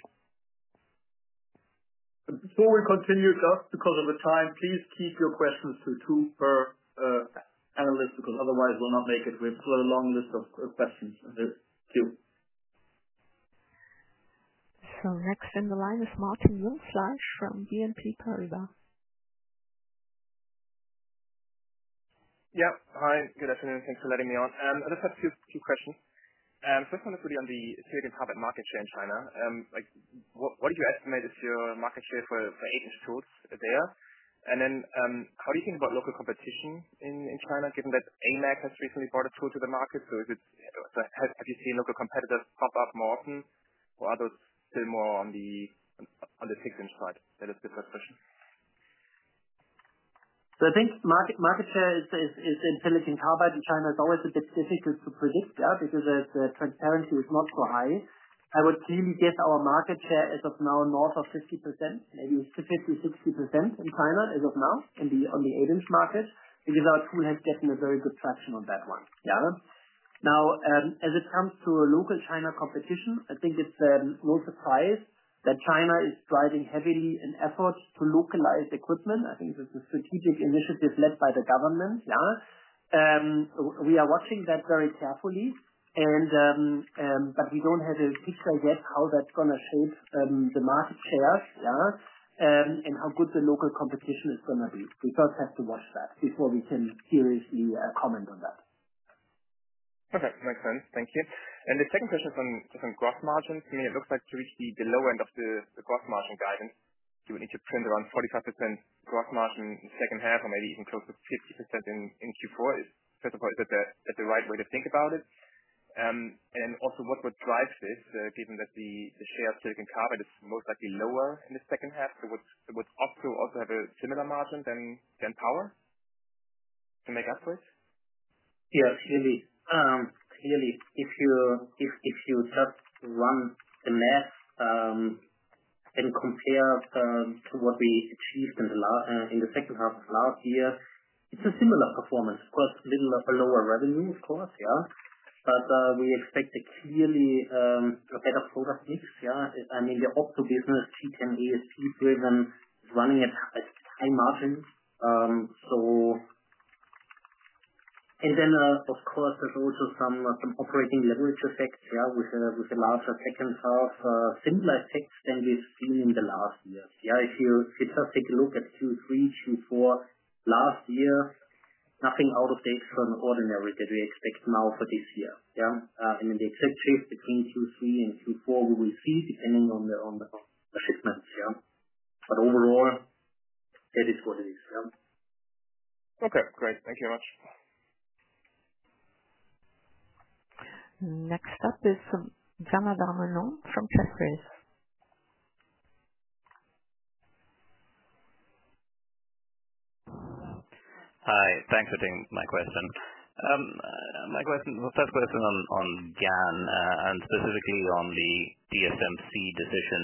S4: Before we continue, just because of the time, please keep your questions to two per analyst, because otherwise, we'll not make it. We have a long list of questions. Thank you.
S1: Next in the line is Martin Jungfleisch from BNP Paribas.
S10: Yeah. Hi. Good afternoon. Thanks for letting me on. I just have a few questions. First one is really on the change in carbon market share in China. What do you estimate is your market share for heated source there? How do you think about local competition in China, given that AMEC has recently brought a tool to the market? Have you seen local competitors pop up more often, or are those still more on the fixed inside? That is a different question.
S3: I think market share is in silicon carbide in China. It's always a bit difficult to predict because the transparency is not so high. I would really guess our market share as of now north of 50%. Maybe it's typically 60% in China as of now on the eight-inch market because our tool has gotten very good traction on that one. Now, as it comes to local China competition, I think it's no surprise that China is driving heavily in efforts to localize the equipment. I think it's a strategic initiative led by the government. We are watching that very carefully, and we don't have a picture yet how that's going to shape the market shares, and how good the local competition is going to be. We just have to watch that before we can seriously comment on that.
S10: Okay. Makes sense. Thank you. The second question is on gross margin. It looks like to reach the low end of the gross margin guidance, do you want to keep it around 45% gross margin in the second half or maybe even closer to 50% in Q4? First of all, is that the right way to think about it? Also, what would drive this, given that the share of silicon carbide is most likely lower in the second half? Would opto also have a similar margin than power to make up for it?
S3: Yeah, clearly. If you just run the math and compare to what we achieved in the second half of last year, it's a similar performance. Of course, a little bit lower revenue, of course. We expect to clearly get a better sort of mix. I mean, the optoelectronics business, G10-AsP-driven, is running at high margin. There's also some operating leverage effect with a larger second half, similar effect than we've seen in the last year. If you just take a look at Q3, Q4 last year, nothing out of the extraordinary that we expect now for this year. The executives between Q3 and Q4 will receive depending on the business. Overall, that is what it is.
S10: Okay. Great. Thank you very much.
S4: Next up is. Hi. Thanks for taking my question. My question, the first question on GaN, and specifically on the DSMC decision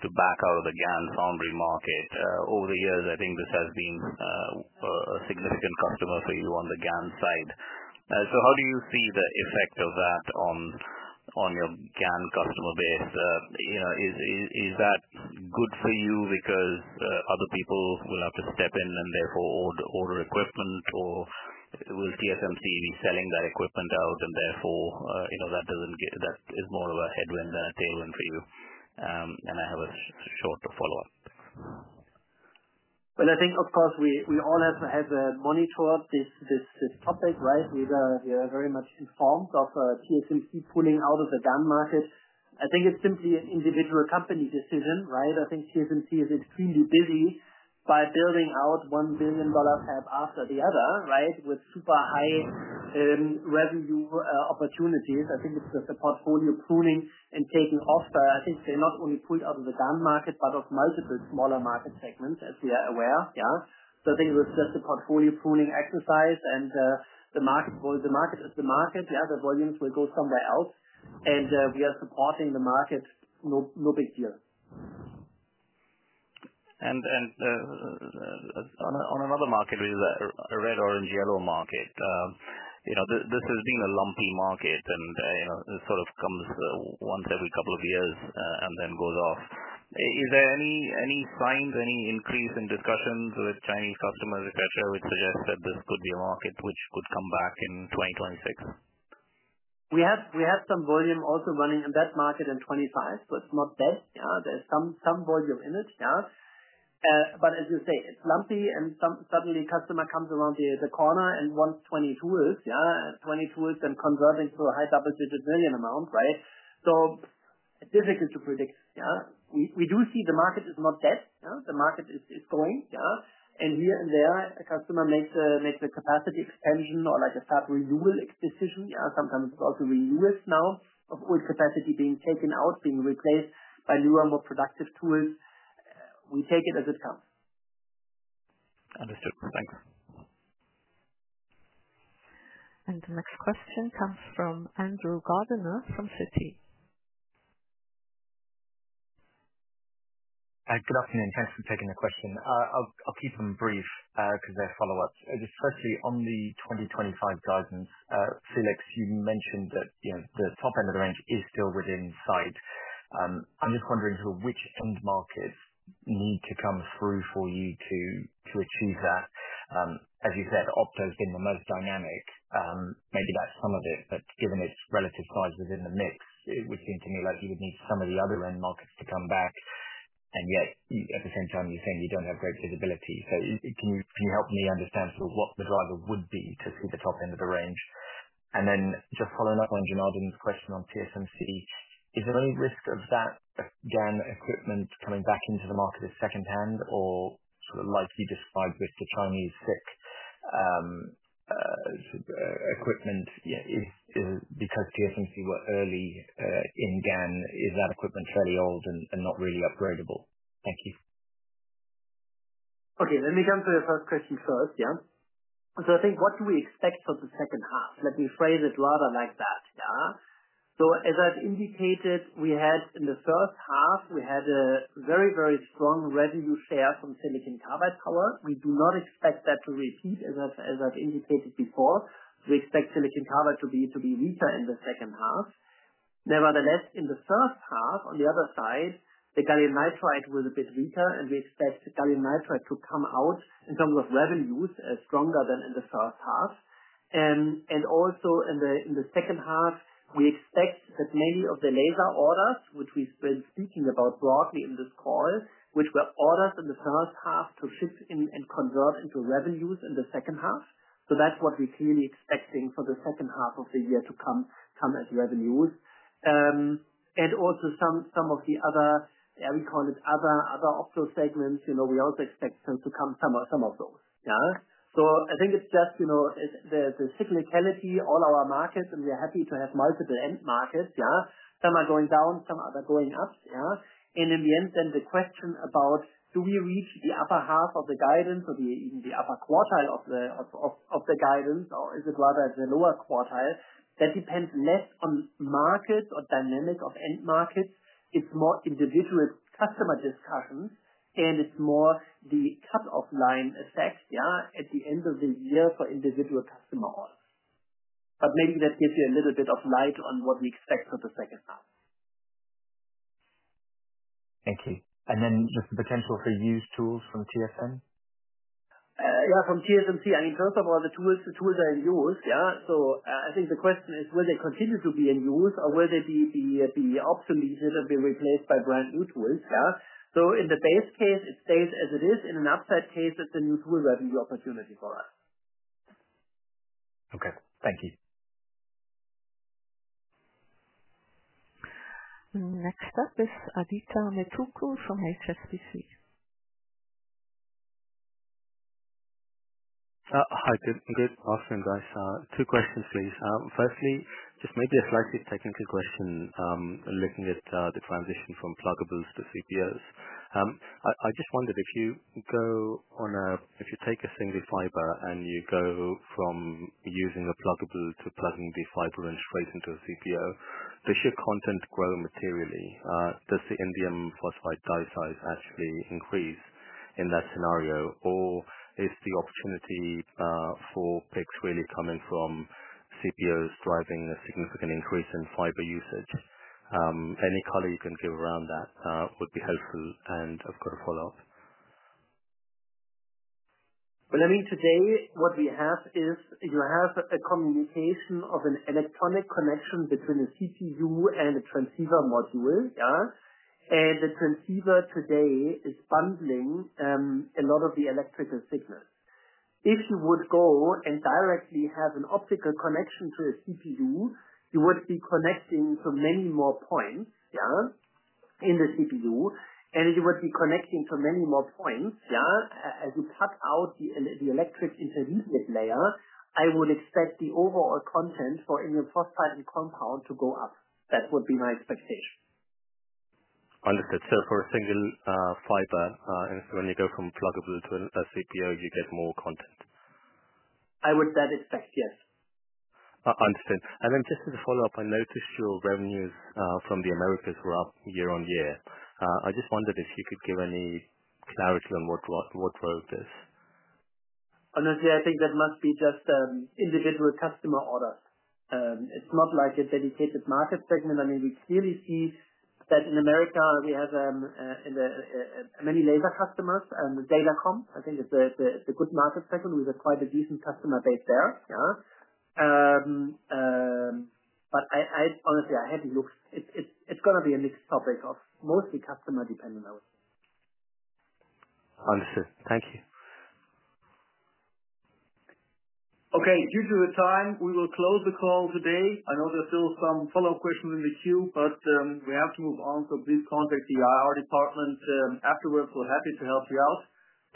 S4: to back out of the GaN foundry market. Over the years, I think this has been a significant customer for you on the GaN side. How do you see the effect of that on your GaN customer base? Is that good for you because other people will have to step in and therefore order equipment, or will TSMC be selling that equipment out and therefore, you know, that is more of a headwind than a tailwind for you? I have a short follow-up.
S3: I think, of course, we all have monitored this topic, right? We are very much informed of TSMC pulling out of the GaN market. I think it's simply an individual company decision, right? I think TSMC is extremely busy by building out $1 billion after the other, right, with super high revenue opportunities. I think it's just the portfolio pooling and taking off that. I think they not only pulled out of the GaN market, but of multiple smaller market segments, as we are aware. Yeah. I think it was just the portfolio pooling exercise and the market is the market. Yeah, the volumes will go somewhere else. We are supporting the market. No big deal. On another market, which is a red, orange, yellow market, this has been a lumpy market and it sort of comes once every couple of years and then goes off. Is there any signs, any increase in discussions with Chinese customers, etc., which suggest that this could be a market which could come back in 2026? We have some volume also running in that market in 2025, so it's not dead. There's some volume in it. As you say, it's lumpy, and suddenly a customer comes around the corner and wants 20 tools, 20 tools and converting to a high double-digit billion amount, right? It's difficult to predict. We do see the market is not dead. The market is going. Here and there, a customer makes a capacity expansion or like a sub-renewal decision. Sometimes it's also renewals now of old capacity being taken out, being replaced by newer, more productive tools. We take it as it comes. Understood. Thank you.
S1: The next question comes from Andrew Gardiner from UBS.
S11: Good afternoon. Thanks for taking the question. I'll keep them brief because they're follow-ups. I'm just trying to see on the 2025 guidance, Felix, you mentioned that, you know, the top end of the range is still within sight. I'm just wondering which end markets need to come through for you to achieve that. As you said, opto has been the most dynamic. Maybe that's some of it. Given its relative size within the mix, it would seem to me like you would need some of the other end markets to come back. At the same time, you're saying you don't have great visibility. Can you help me understand what the driver would be to see the top end of the range? Just following up on Gennardin's question on TSMC, is there any risk of that GaN equipment coming back into the market second hand? I don't know, I see this 550 tonnage equipment. Yeah, it's because the offensives were early in GaN. Is that equipment fairly old and not really upgradable? Thank you.
S3: Okay, let me answer your first question first. I think what do we expect for the second half? Let me phrase it rather like that. As I've indicated, we had in the first half a very, very strong revenue share from silicon carbide power. We do not expect that to repeat as I've indicated before. We expect silicon carbide to be weaker in the second half. Nevertheless, in the first half, on the other side, the gallium nitride was a bit weaker, and we expect the gallium nitride to come out in terms of revenues as stronger than in the first half. Also, in the second half, we expect that many of the laser orders, which we've been speaking about broadly in this call, which were ordered in the first half, to shift and convert into revenues in the second half. That's what we're clearly expecting for the second half of the year to come as revenues. Also, some of the other, we call it other optical segments, we also expect them to come, some of those. I think it's just the cyclicality, all our markets, and we are happy to have multiple end markets. Some are going down, some are going up. In the end, the question about do we reach the upper half of the guidance or even the upper quartile of the guidance, or is it rather the lower quartile? That depends less on markets or dynamic of end markets. It's more individual customer discussions, and it's more the cut-off line effect at the end of the year for individual customer orders. Maybe that gives you a little bit of light on what we expect for the second half.
S11: Thank you. Is this the potential for used tools from TSM?
S3: Yeah, from TSMC. First of all, the tools are in use, yeah. I think the question is, will they continue to be in use, or will they be optimized and be replaced by brand new tools, yeah? In the base case, it stays as it is. In an upside case, it's a new tool revenue opportunity for us.
S11: Okay, thank you.
S1: Next up is Adithya Metuku from HSBC.
S12: Hi. I didn't get asked in those two questions. Firstly, just maybe a slightly technical question, looking at the transition from plugables to CPOs. I just wondered, if you go on a, if you take a single fiber and you go from using the plugable to plugging the fiber in straight into a CPO, does your content grow materially? Does the indium phosphide dioxide actually increase in that scenario, or is the opportunity for PIC really coming from CPOs driving a significant increase in fiber usage? Any color you can give around that would be helpful. I've got a follow-up.
S3: Today, what we have is you have a communication of an electronic connection between a CPU and a transceiver module, yeah. The transceiver today is bundling a lot of the electrical signal. If you would go and directly have an optical connection to a CPU, you would be connecting to many more points, yeah, in the CPU. You would be connecting to many more points, yeah. As you cut out the electric intermediate layer, I would expect the overall content for indium phosphate compound to go up. That would be my expectation.
S12: Understood. For a single fiber, when you go from plugable to a CPO, you get more content?
S3: I would expect that, yes.
S12: I understand. Just as a follow-up, I noticed your revenues from the Americas were up year on year. I just wondered if you could give any clarity on what drove this.
S3: Honestly, I think that must be just an individual customer order. It's not like a dedicated market segment. I mean, we clearly see that in America, we have many laser customers and the datacom. I think it's a good market segment. We have quite a decent customer base there, yeah. Honestly, I hadn't looked. It's going to be a mixed topic of mostly customer dependent, I would say.
S12: Understood. Thank you.
S4: Okay. Due to the time, we will close the call today. I know there's still some follow-up questions in the queue, but we have to move on. Please contact the IR department afterwards. We're happy to help you out.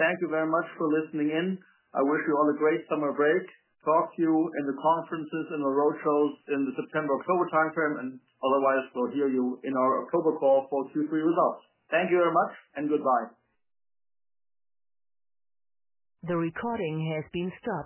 S4: Thank you very much for listening in. I wish you all a great summer break. Talk to you in the conferences and the roadshows in the September-October timeframe, and otherwise, we'll hear you in our October call for Q3 results. Thank you very much, and goodbye.
S1: The recording has been stopped.